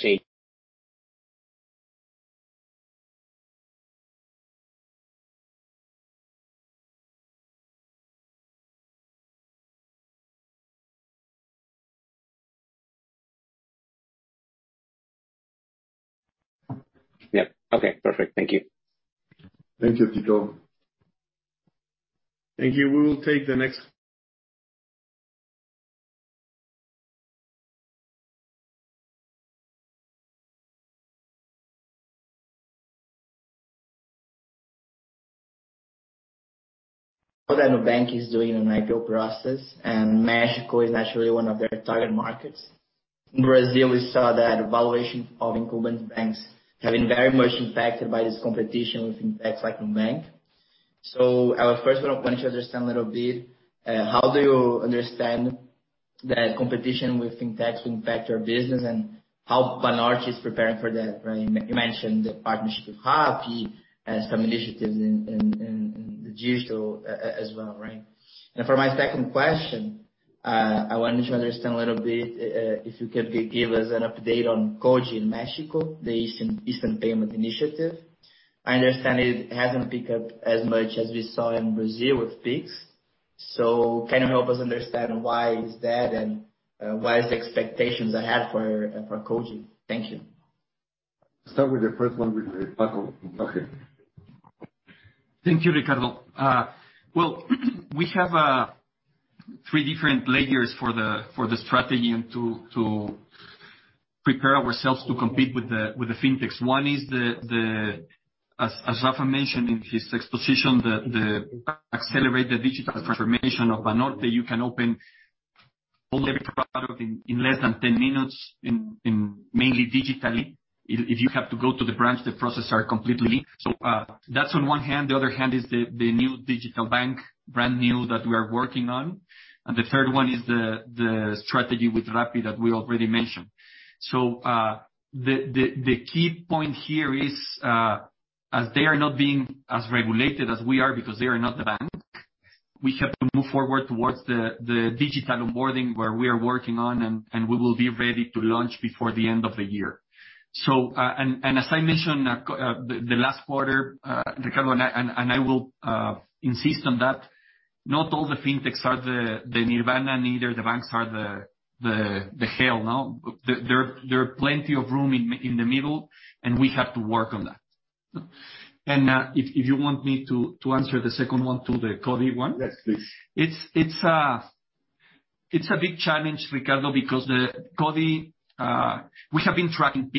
Yeah. Okay, perfect. Thank you. Thank you, Tito. Thank you. We will take the next- Banorte is doing an IPO process, and Mexico is naturally one of their target markets. In Brazil, we saw that valuation of incumbent banks have been very much impacted by this competition with banks like Nubank. Our first one, I want to understand a little bit, how do you understand that competition with FinTech to impact your business, and how Banorte is preparing for that? You mentioned the partnership with Rappi as some initiatives in the digital as well, right? For my second question, I wanted to understand a little bit, if you could give us an update on CoDi in Mexico, the instant payment initiative. I understand it hasn't picked up as much as we saw in Brazil with Pix. Kind of help us understand why is that, and what is the expectations ahead for CoDi. Thank you. Start with the first one with Paco. Thank you, Ricardo. We have three different layers for the strategy and to prepare ourselves to compete with the FinTechs. One is, as Rafa mentioned in his exposition, the accelerated digital transformation of Banorte. You can open almost every product in less than 10 minutes, mainly digitally. If you have to go to the branch, the process are completely linked. That's on one hand. The other hand is the new digital bank, brand new, that we are working on. The third one is the strategy with Rappi that we already mentioned. The key point here is, as they are not being as regulated as we are because they are not the bank, we have to move forward towards the digital onboarding where we are working on, and we will be ready to launch before the end of the year. As I mentioned, the last quarter, Ricardo, and I will insist on that, not all the FinTechs are the nirvana, neither the banks are the hell, no. There are plenty of room in the middle, and we have to work on that. If you want me to answer the second one to the CoDi one. Yes, please. It's a big challenge, Ricardo, because CoDi, we have been tracking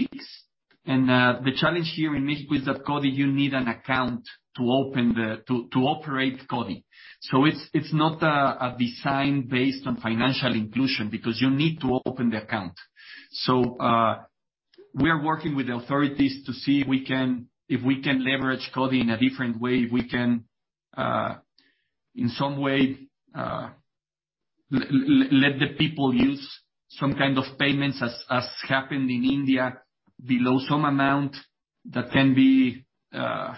Pix. The challenge here in Mexico is that CoDi, you need an account to operate CoDi. It's not designed based on financial inclusion because you need to open the account. We are working with the authorities to see if we can leverage CoDi in a different way. If we can, in some way, let the people use some kind of payments as happened in India below some amount that can be under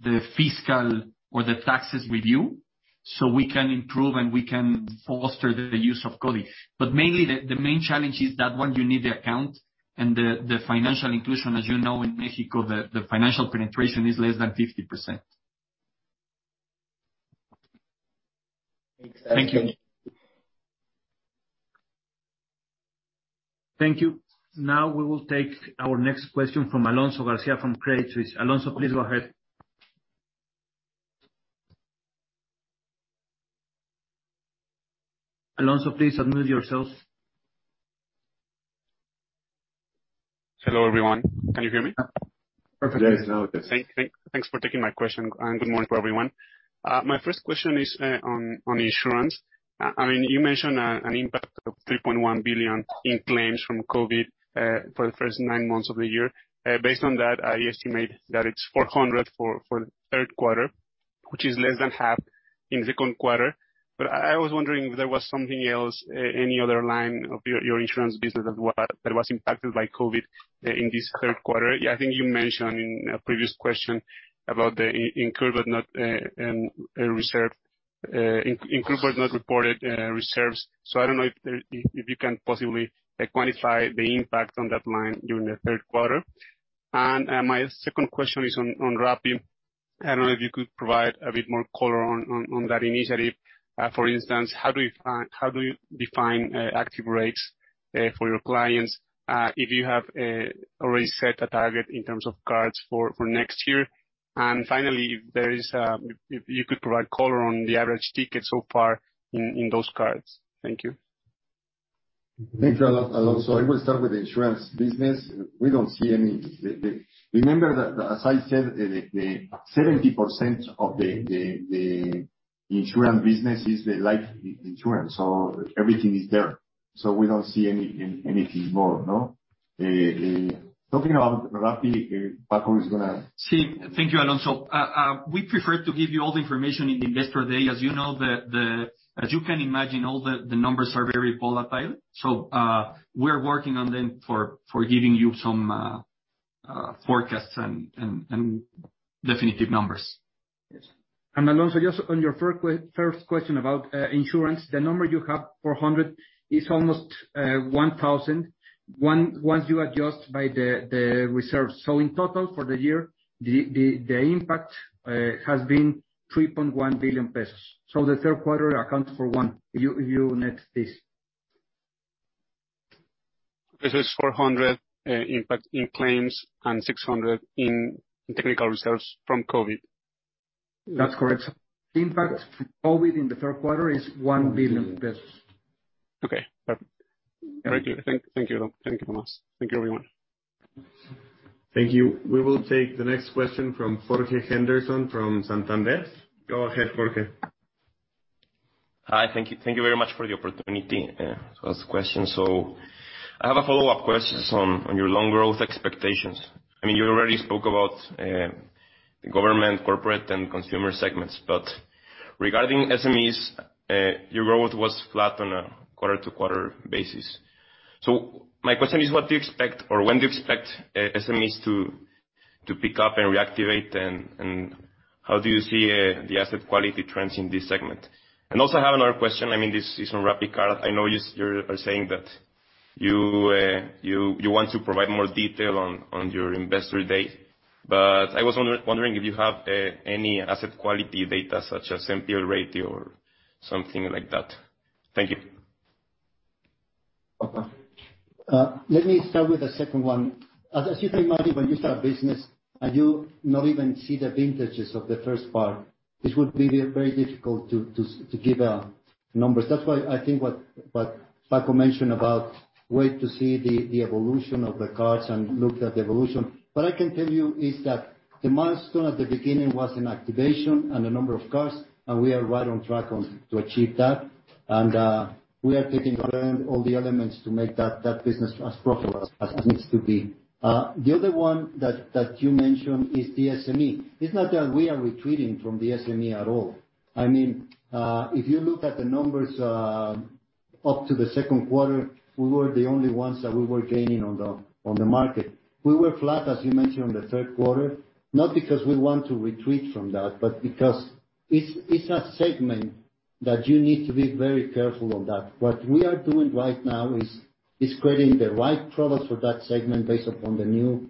the fiscal or the taxes review, so we can improve and we can foster the use of CoDi. Mainly, the main challenge is that, one, you need the account, and the financial inclusion, as you know, in Mexico, the financial penetration is less than 50%. Exactly. Thank you Thank you. Now we will take our next question from Alonso García from Credit Suisse. Alonso, please go ahead. Alonso, please unmute yourself. Hello, everyone. Can you hear me? Perfectly. Yes. Thanks for taking my question, and good morning to everyone. My first question is on insurance. You mentioned an impact of 3.1 billion in claims from COVID for the first nine months of the year. Based on that, I estimate that it's 400 for the 3rd quarter, which is less than half in the 2nd quarter. I was wondering if there was something else, any other line of your insurance business that was impacted by COVID in this 3rd quarter. I think you mentioned in a previous question about the incurred but not reported reserves. I don't know if you can possibly quantify the impact on that line during the 3rd quarter. My second question is on Rappi. I don't know if you could provide a bit more color on that initiative. For instance, how do you define active rates for your clients? If you have already set a target in terms of cards for next year. Finally, if you could provide color on the average ticket so far in those cards. Thank you. Thanks, Alonso. I will start with the insurance business. Remember that, as I said, 70% of the insurance business is life insurance. Everything is there. We don't see anything more. Talking about Rappi, Paco is going to. Thank you, Alonso. We prefer to give you all the information in the Banorte Investor Day. As you can imagine, all the numbers are very volatile. We are working on them for giving you some forecasts and definitive numbers. Alonso, just on your first question about insurance, the number you have, 400, is almost 1,000 once you adjust by the reserves. In total, for the year, the impact has been 3.1 billion pesos. The third quarter accounts for one unit this. This is 400 impact in claims and 600 in technical reserves from COVID. That's correct. Impact from COVID in the third quarter is 1 billion pesos. Okay. Perfect. Thank you. Thank you, Tomás. Thank you, everyone. Thank you. We will take the next question from Jorge Henderson from Santander. Go ahead, Jorge. Hi. Thank you very much for the opportunity to ask questions. I have a follow-up question on your loan growth expectations. You already spoke about the government, corporate, and consumer segments. Regarding SMEs, your growth was flat on a one quarter-to-quarter basis. My question is, what do you expect or when do you expect SMEs to pick up and reactivate, and how do you see the asset quality trends in this segment? Also, I have one other question. This is on RappiCard. I know you are saying that you want to provide more detail on your Investor Day. I was wondering if you have any asset quality data, such as NPL rate or something like that. Thank you. Okay. Let me start with the second one. As you can imagine, when you start a business and you not even see the vintages of the first part, it would be very difficult to give numbers. That's why I think what Paco mentioned about wait to see the evolution of the cards and look at the evolution. What I can tell you is that the milestone at the beginning was an activation and the number of cards, and we are right on track to achieve that. We are taking all the elements to make that business as profitable as it needs to be. The other one that you mentioned is the SME. It's not that we are retreating from the SME at all. If you look at the numbers up to the second quarter, we were the only ones that we were gaining on the market. We were flat, as you mentioned, on the third quarter, not because we want to retreat from that, but because it's a segment that you need to be very careful on that. What we are doing right now is creating the right product for that segment based upon the new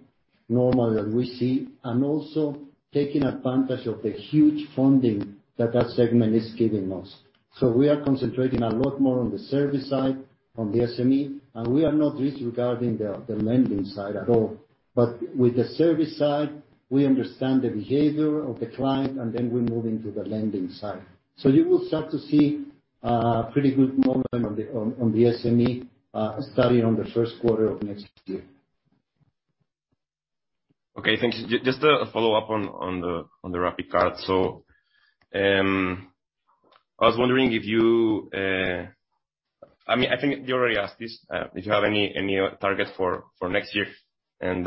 normal that we see, and also taking advantage of the huge funding that that segment is giving us. We are concentrating a lot more on the service side on the SME, and we are not disregarding the lending side at all. With the service side, we understand the behavior of the client, and then we move into the lending side. You will start to see a pretty good momentum on the SME starting on the first quarter of next year. Okay. Thank you. Just a follow-up on the RappiCard. I was wondering if you have any target for next year. You've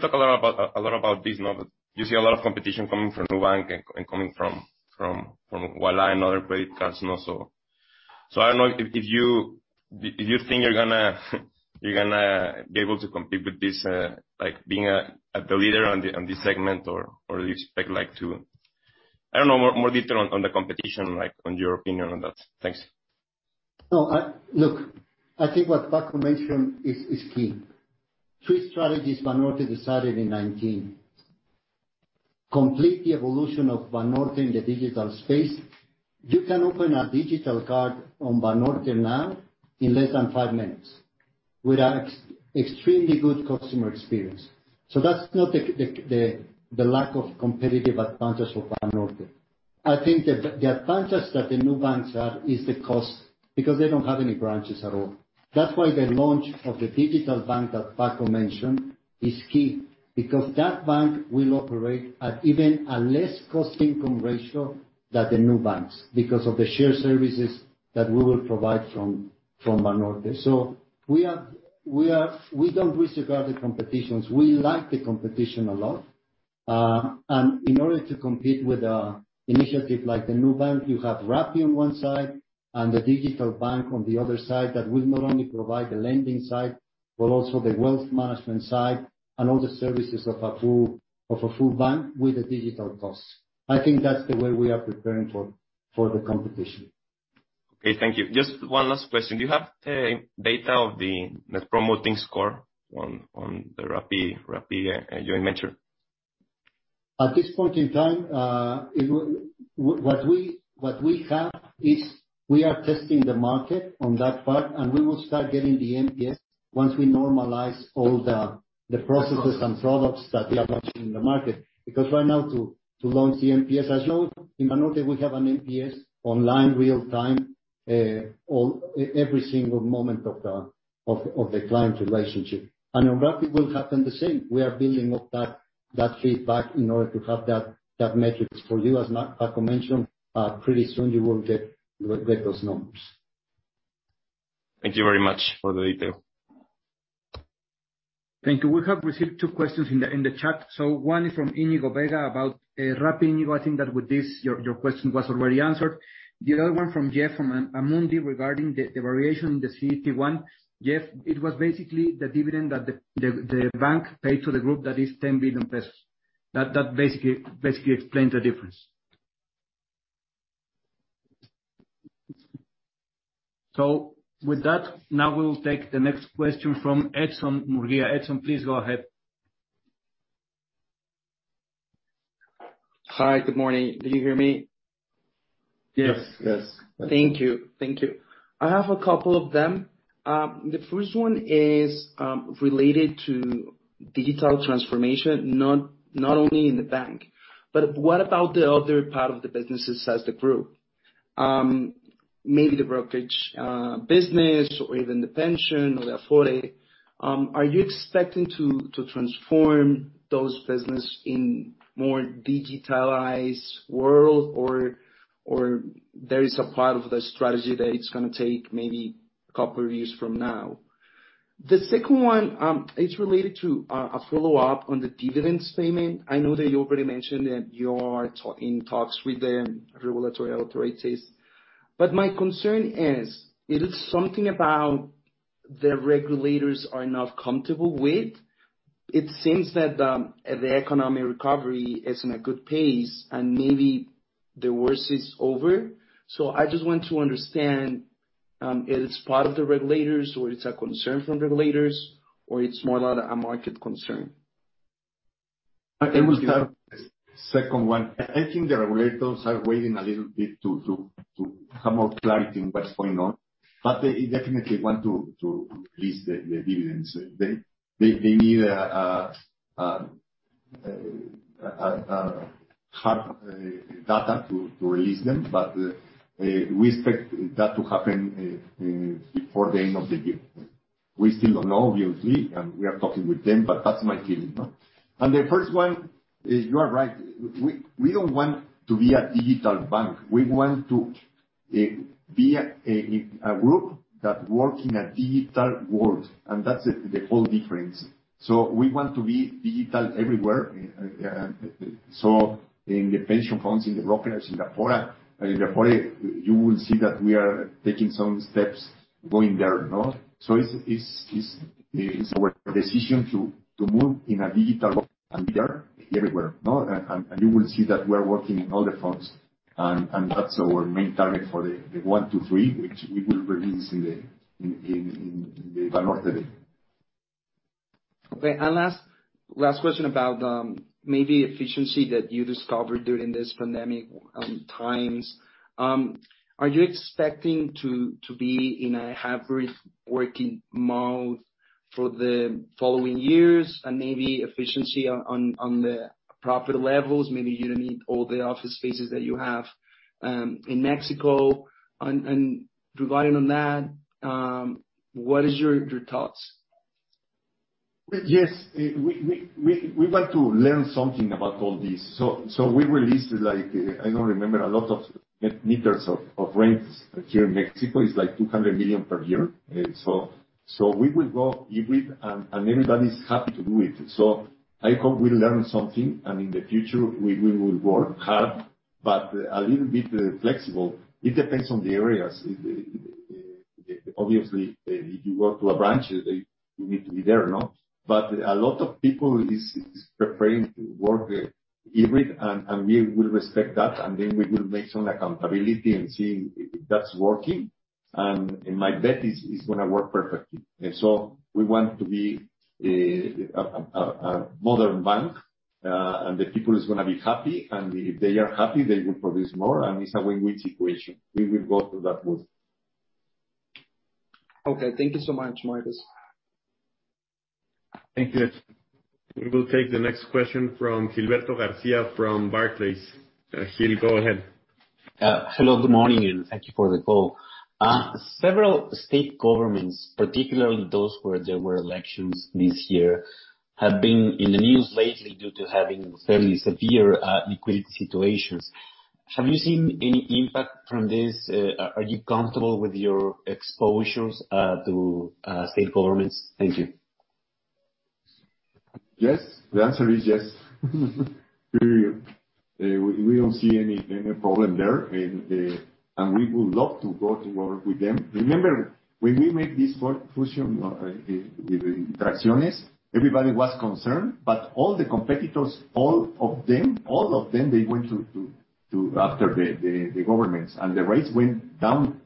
talked a lot about this. You see a lot of competition coming from Nubank and coming from Ualá and other credit cards also. I don't know if you think you're going to be able to compete with this, being the leader on this segment, or do you expect to I don't know, more detail on the competition, on your opinion on that? Thanks. No. Look, I think what Paco mentioned is key. Three strategies Banorte decided in 2019. Complete the evolution of Banorte in the digital space. You can open a digital card on Banorte now in less than five minutes with an extremely good customer experience. That's not the lack of competitive advantage for Banorte. I think that the advantage that the neobanks have is the cost, because they don't have any branches at all. That's why the launch of the digital bank that Paco mentioned is key, because that bank will operate at even a less cost-income ratio than the neobanks because of the shared services that we will provide from Banorte. We don't disregard the competitions. We like the competition a lot. In order to compete with an initiative like the Nubank, you have Rappi on one side and the digital bank on the other side, that will not only provide the lending side, but also the wealth management side and all the services of a full bank with the digital costs. I think that's the way we are preparing for the competition. Okay. Thank you. Just one last question. Do you have data of the Net Promoter Score on the Rappi joint venture? At this point in time, what we have is we are testing the market on that part. We will start getting the NPS once we normalize all the processes and products that we are launching in the market. Right now, to launch the NPS, as you know, in Banorte, we have an NPS online real-time, every single moment of the client relationship. On Rappi will happen the same. We are building up that feedback in order to have that metrics for you. As Paco mentioned, pretty soon you will get those numbers. Thank you very much for the detail. Thank you. We have received two questions in the chat. One is from Iñigo Vega about Rappi. Iñigo, I think that with this, your question was already answered. The other one from Jeff from Amundi regarding the variation in the CET1. Jeff, it was basically the dividend that the bank paid to the group that is 10 billion pesos. That basically explains the difference. With that, now we will take the next question from Edson Murguia. Edson, please go ahead. Hi. Good morning. Can you hear me? Yes. Yes. Thank you. I have a couple of them. The first one is related to digital transformation, not only in the bank. What about the other part of the businesses as the group? Maybe the brokerage business or even the pension or the Afore. Are you expecting to transform those businesses in more digitalized world or there is a part of the strategy that it's going to take maybe couple of years from now? The second one, it's related to a follow-up on the dividends payment. I know that you already mentioned that you are in talks with the regulatory authorities, but my concern is, it is something about the regulators are not comfortable with? It seems that the economic recovery is in a good pace, and maybe the worst is over. I just want to understand, it is part of the regulators, or it's a concern from regulators, or it's more a market concern? I will start with the second one. I think the regulators are waiting a little bit to have more clarity in what's going on. They definitely want to release the dividends. They need hard data to release them. We expect that to happen before the end of the year. We still don't know, obviously, and we are talking with them, but that's my feeling. The first one, you are right. We don't want to be a digital bank. We want to be a group that work in a digital world, and that's the whole difference. We want to be digital everywhere, so in the pension funds, in the brokerage, in Afore. In Afore, you will see that we are taking some steps going there. It's our decision to move in a digital manner everywhere. You will see that we are working in all the fronts, and that's our main target for the 2023, which we will release in the Banorte Day. Okay. Last question about maybe efficiency that you discovered during this pandemic times. Are you expecting to be in a hybrid working mode for the following years and maybe efficiency on the profit levels? Maybe you don't need all the office spaces that you have in Mexico, and providing on that, what is your thoughts? Yes. We'd like to learn something about all this. We released, I don't remember, a lot of meters of rents here in Mexico. It's like 200 million per year. We will go with, everybody's happy to do it. I hope we learn something, and in the future, we will work hard, but a little bit flexible. It depends on the areas. Obviously, if you work to a branch, you need to be there, no? A lot of people is preferring to work, and we will respect that, and then we will make some accountability and see if that's working. My bet is it's going to work perfectly. We want to be a modern bank, and the people is going to be happy. If they are happy, they will produce more, and it's a win-win situation. We will go to that route. Okay. Thank you so much, Marcos. Thank you. We will take the next question from Gilberto Garcia from Barclays. Gil, go ahead. Hello, good morning, and thank you for the call. Several state governments, particularly those where there were elections this year, have been in the news lately due to having fairly severe liquidity situations. Have you seen any impact from this? Are you comfortable with your exposures to state governments? Thank you. Yes. The answer is yes. We don't see any problem there. We would love to go to work with them. Remember, when we make this fusion with Interacciones, everybody was concerned, but all the competitors, all of them, they went to after the governments, and the rates went down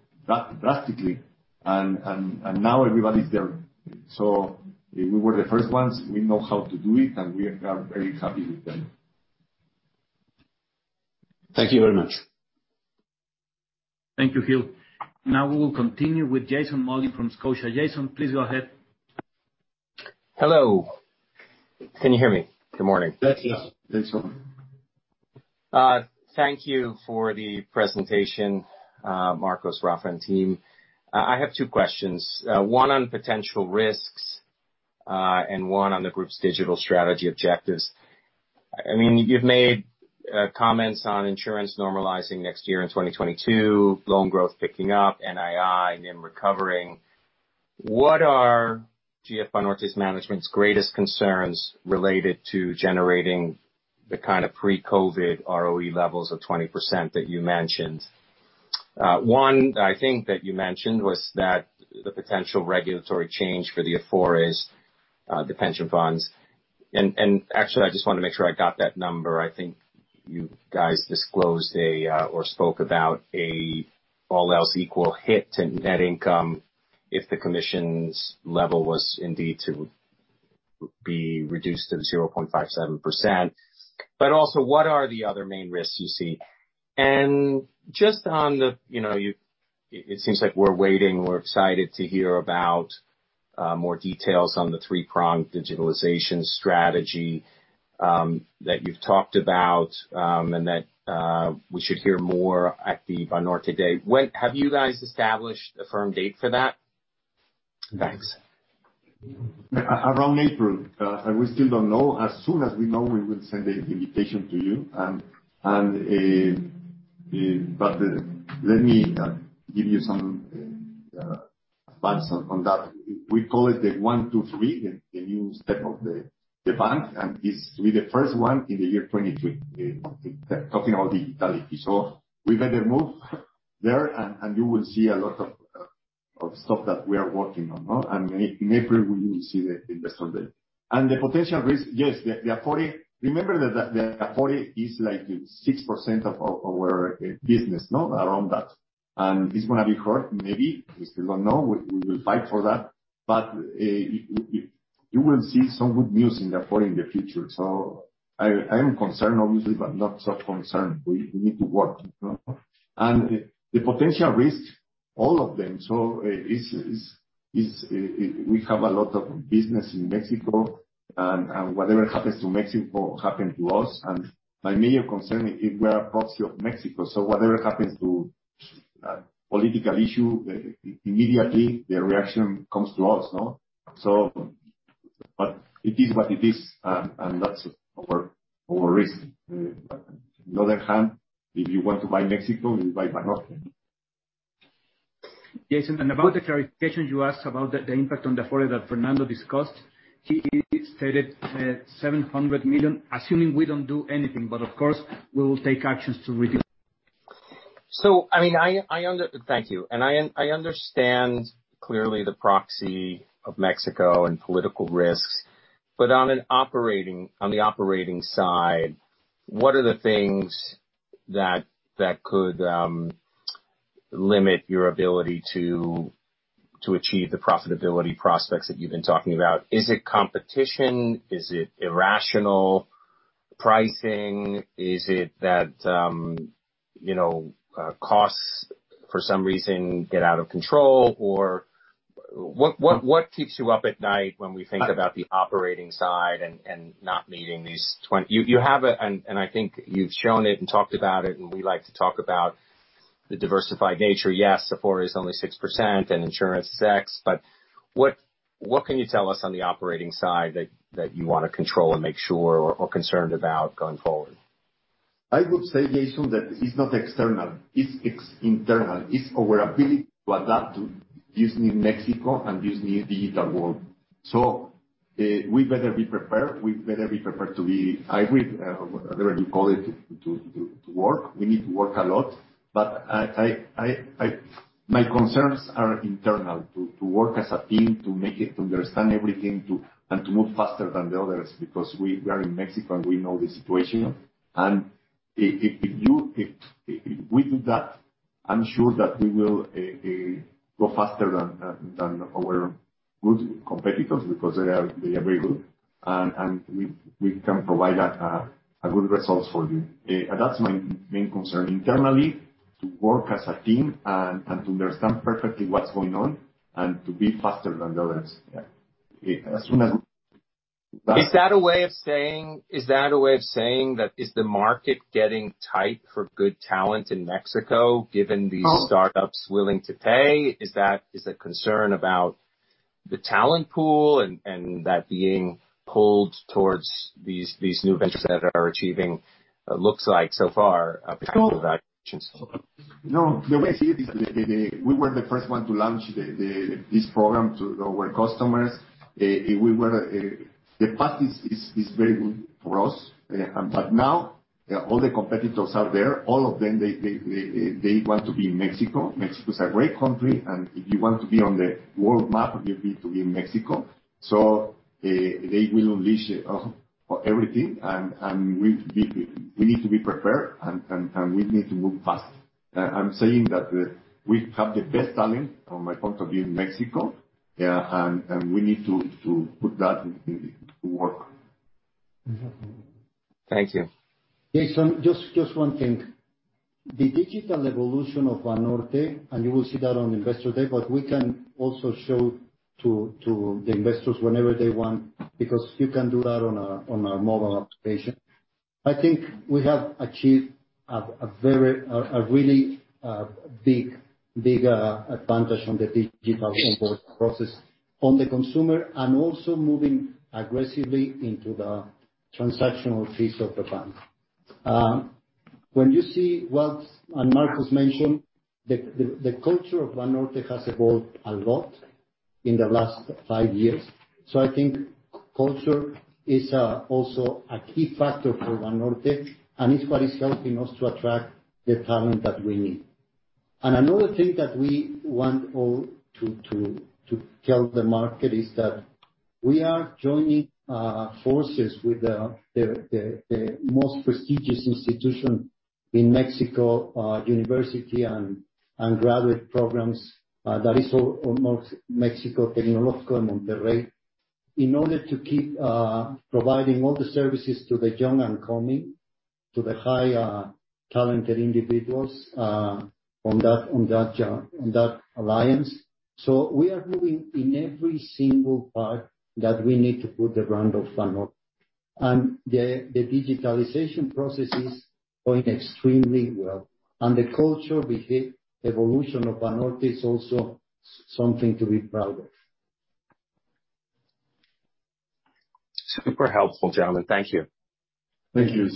drastically. Now everybody's there. We were the first ones. We know how to do it, and we are very happy with them. Thank you very much. Thank you, Gilberto Garcia. We will continue with Jason Mollin from Scotiabank. Jason, please go ahead. Hello. Can you hear me? Good morning. Yes. Yes. Jason. Thank you for the presentation, Marcos, Rafa, and team. I have two questions. One on potential risks, and one on the group's digital strategy objectives. You've made comments on insurance normalizing next year in 2022, loan growth picking up, NII, NIM recovering. What are GF Banorte's management's greatest concerns related to generating the kind of pre-COVID-19 ROE levels of 20% that you mentioned? One that I think that you mentioned was that the potential regulatory change for the Afores, the pension funds. Actually, I just want to make sure I got that number. I think you guys disclosed or spoke about a all else equal hit to net income if the commissions' level was indeed to be reduced to 0.57%. Also, what are the other main risks you see? Just on the, it seems like we're waiting. We're excited to hear about more details on the three-pronged digitalization strategy, that you've talked about, and that we should hear more at the Banorte Day. Have you guys established a firm date for that? Thanks. Around April. We still don't know. As soon as we know, we will send an invitation to you. Let me give you some advances on that. We call it the 1, 2, 3, the new step of the bank, and it's with the first one in the year 2023, talking about digitality. We made a move there, and you will see a lot of stuff that we are working on. In April, we will see the rest of it. The potential risk, yes, the Afore. Remember that the Afore is like 6% of our business, around that. It's going to be hard, maybe. We still don't know. We will fight for that. You will see some good news in the Afore in the future. I am concerned, obviously, but not so concerned. We need to work. The potential risks, all of them. We have a lot of business in Mexico, and whatever happens to Mexico happened to us. My main concern, we are a proxy of Mexico, so whatever happens to political issue, immediately the reaction comes to us. It is what it is, and that's our risk. On the other hand, if you want to buy Mexico, you buy Banorte. Jason, about the clarification you asked about the impact on the Afore that Fernando discussed. He stated 700 million, assuming we don't do anything, but of course, we will take actions to reduce. Thank you. I understand clearly the proxy of Mexico and political risks. On the operating side, what are the things that could limit your ability to achieve the profitability prospects that you've been talking about. Is it competition? Is it irrational pricing? Is it that costs for some reason get out of control? What keeps you up at night when we think about the operating side and not meeting these? You have it, I think you've shown it and talked about it, and we like to talk about the diversified nature. Yes, Afore is only 6% and insurance is X, what can you tell us on the operating side that you want to control and make sure or are concerned about going forward? I would say, Jason, that it's not external, it's internal. It's our ability to adapt to this new Mexico and this new digital world. We better be prepared. We better be prepared to be hybrid, or whatever you call it, to work. We need to work a lot. My concerns are internal. To work as a team, to make it, to understand everything, and to move faster than the others, because we are in Mexico, and we know the situation. If we do that, I'm sure that we will go faster than our good competitors, because they are very good, and we can provide good results for you. That's my main concern internally, to work as a team and to understand perfectly what's going on and to be faster than the others. Yeah. Is that a way of saying that is the market getting tight for good talent in Mexico, given these startups willing to pay? Is the concern about the talent pool and that being pulled towards these new ventures that are achieving, looks like so far, a pack of valuations? No. The way I see it is, we were the first one to launch this program to our customers. The path is very good for us. Now, all the competitors are there. All of them, they want to be in Mexico. Mexico is a great country, and if you want to be on the world map, you need to be in Mexico. They will unleash everything, and we need to be prepared, and we need to move fast. I'm saying that we have the best talent, from my point of view, in Mexico. Yeah, we need to put that to work. Thank you. Jason, just one thing. The digital evolution of Banorte, and you will see that on Investor Day, but we can also show to the investors whenever they want, because you can do that on a mobile application. I think we have achieved a really big advantage on the digital onboard process on the consumer, and also moving aggressively into the transactional fees of the bank. When you see what Marcos mentioned, the culture of Banorte has evolved a lot in the last five years. I think culture is also a key factor for Banorte, and it's what is helping us to attract the talent that we need. Another thing that we want all to tell the market is that we are joining forces with the most prestigious institution in Mexico, university and graduate programs, that is ITESM Tecnológico de Monterrey, in order to keep providing all the services to the young and coming, to the high talented individuals, on that alliance. We are moving in every single part that we need to put around Banorte. The digitalization process is going extremely well. The culture evolution of Banorte is also something to be proud of. Super helpful, gentlemen. Thank you. Thank you,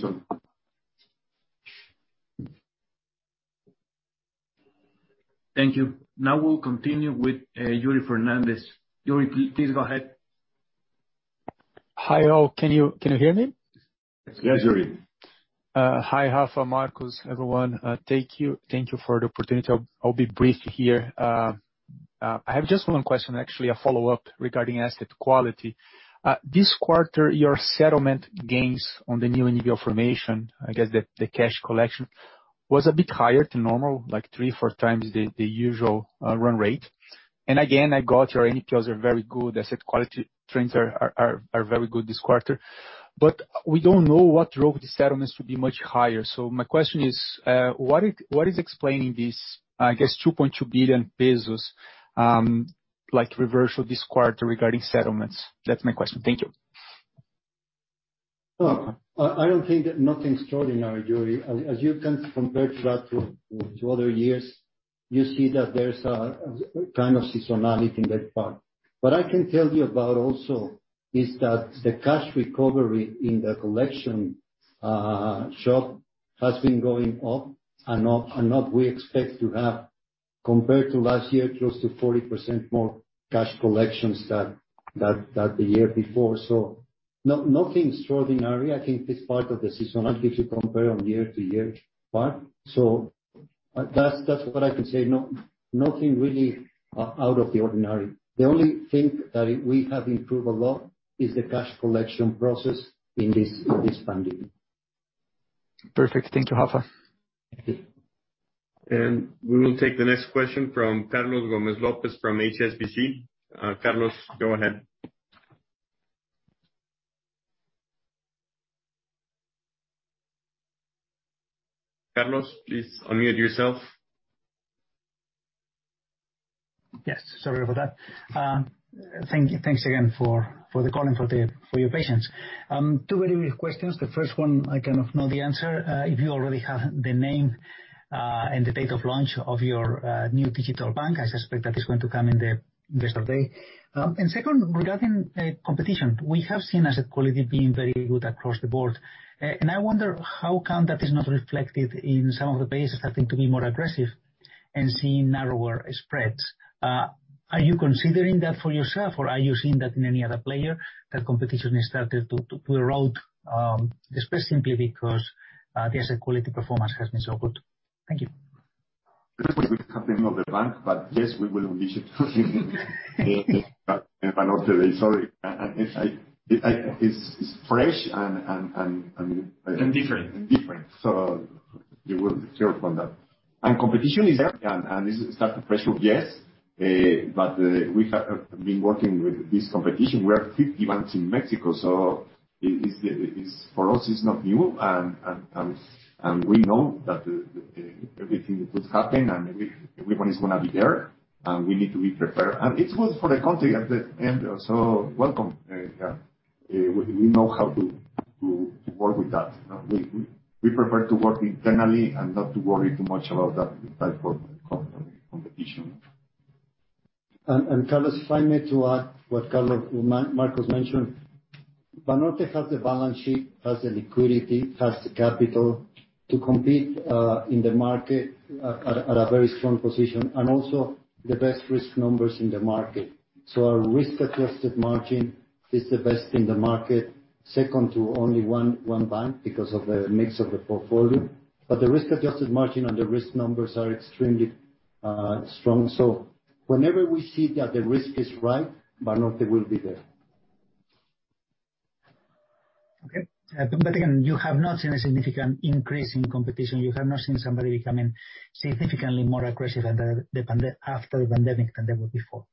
Jason. Thank you. Now we'll continue with Yuri Fernandes. Yuri, please go ahead. Hi, all. Can you hear me? Yes, Yuri. Hi, Rafa, Marcos, everyone. Thank you for the opportunity. I'll be brief here. I have just one question, actually, a follow-up regarding asset quality. This quarter, your settlement gains on the new NPL formation, I guess the cash collection, was a bit higher than normal, like three, four times the usual run rate. Again, I got your NPLs are very good. Asset quality trends are very good this quarter. We don't know what drove the settlements to be much higher. My question is, what is explaining this, I guess, 2.2 billion pesos reversal this quarter regarding settlements? That's my question. Thank you. I don't think that nothing extraordinary, Yuri. As you can compare that to other years, you see that there's a kind of seasonality in that part. What I can tell you about also is that the cash recovery in the collection shop has been going up and up and up. We expect to have, compared to last year, close to 40% more cash collections than the year before. Nothing extraordinary. I think this part of the seasonality, if you compare on year-to-year part. That's what I can say. Nothing really out of the ordinary. The only thing that we have improved a lot is the cash collection process in this funding. Perfect. Thank you, Rafa. Thank you. We will take the next question from Carlos Gomez-Lopez from HSBC. Carlos, go ahead. Carlos, please unmute yourself. Yes, sorry about that. Thanks again for the call and for your patience. Two very brief questions. The first one, I kind of know the answer. If you already have the name and the date of launch of your new digital bank, I suspect that it's going to come in the rest of the day. Second, regarding competition, we have seen asset quality being very good across the board. I wonder how come that is not reflected in some of the banks, having to be more aggressive and seeing narrower spreads. Are you considering that for yourself, or are you seeing that in any other player, that competition has started to erode, just simply because the asset quality performance has been so good? Thank you. First of all, we have the name of the bank, but yes, we will release it in Banorte. Sorry. different Different. You will hear from that. Competition is there, and it's that pressure, yes. We have been working with this competition. We have 50 banks in Mexico. For us, it's not new. We know that everything that could happen, and everyone is going to be there, and we need to be prepared. It's good for the country at the end, welcome. We know how to work with that. We prefer to work internally and not to worry too much about that type of competition. Carlos, if I may to add what Marcos mentioned. Banorte has the balance sheet, has the liquidity, has the capital to compete in the market at a very strong position, and also the best risk numbers in the market. Our risk-adjusted margin is the best in the market, second to only one bank because of the mix of the portfolio. The risk-adjusted margin and the risk numbers are extremely strong. Whenever we see that the risk is right, Banorte will be there. Okay. Again, you have not seen a significant increase in competition. You have not seen somebody becoming significantly more aggressive after the pandemic than they were before.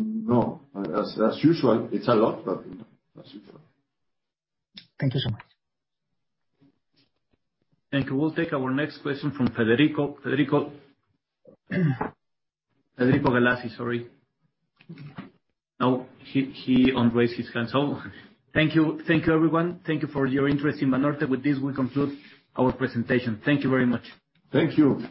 No. As usual, it's a lot, but no, as usual. Thank you so much. Thank you. We'll take our next question from Federico. Federico Galassi, sorry. No, he unraised his hand. Thank you, everyone. Thank you for your interest in Banorte. With this, we conclude our presentation. Thank you very much. Thank you.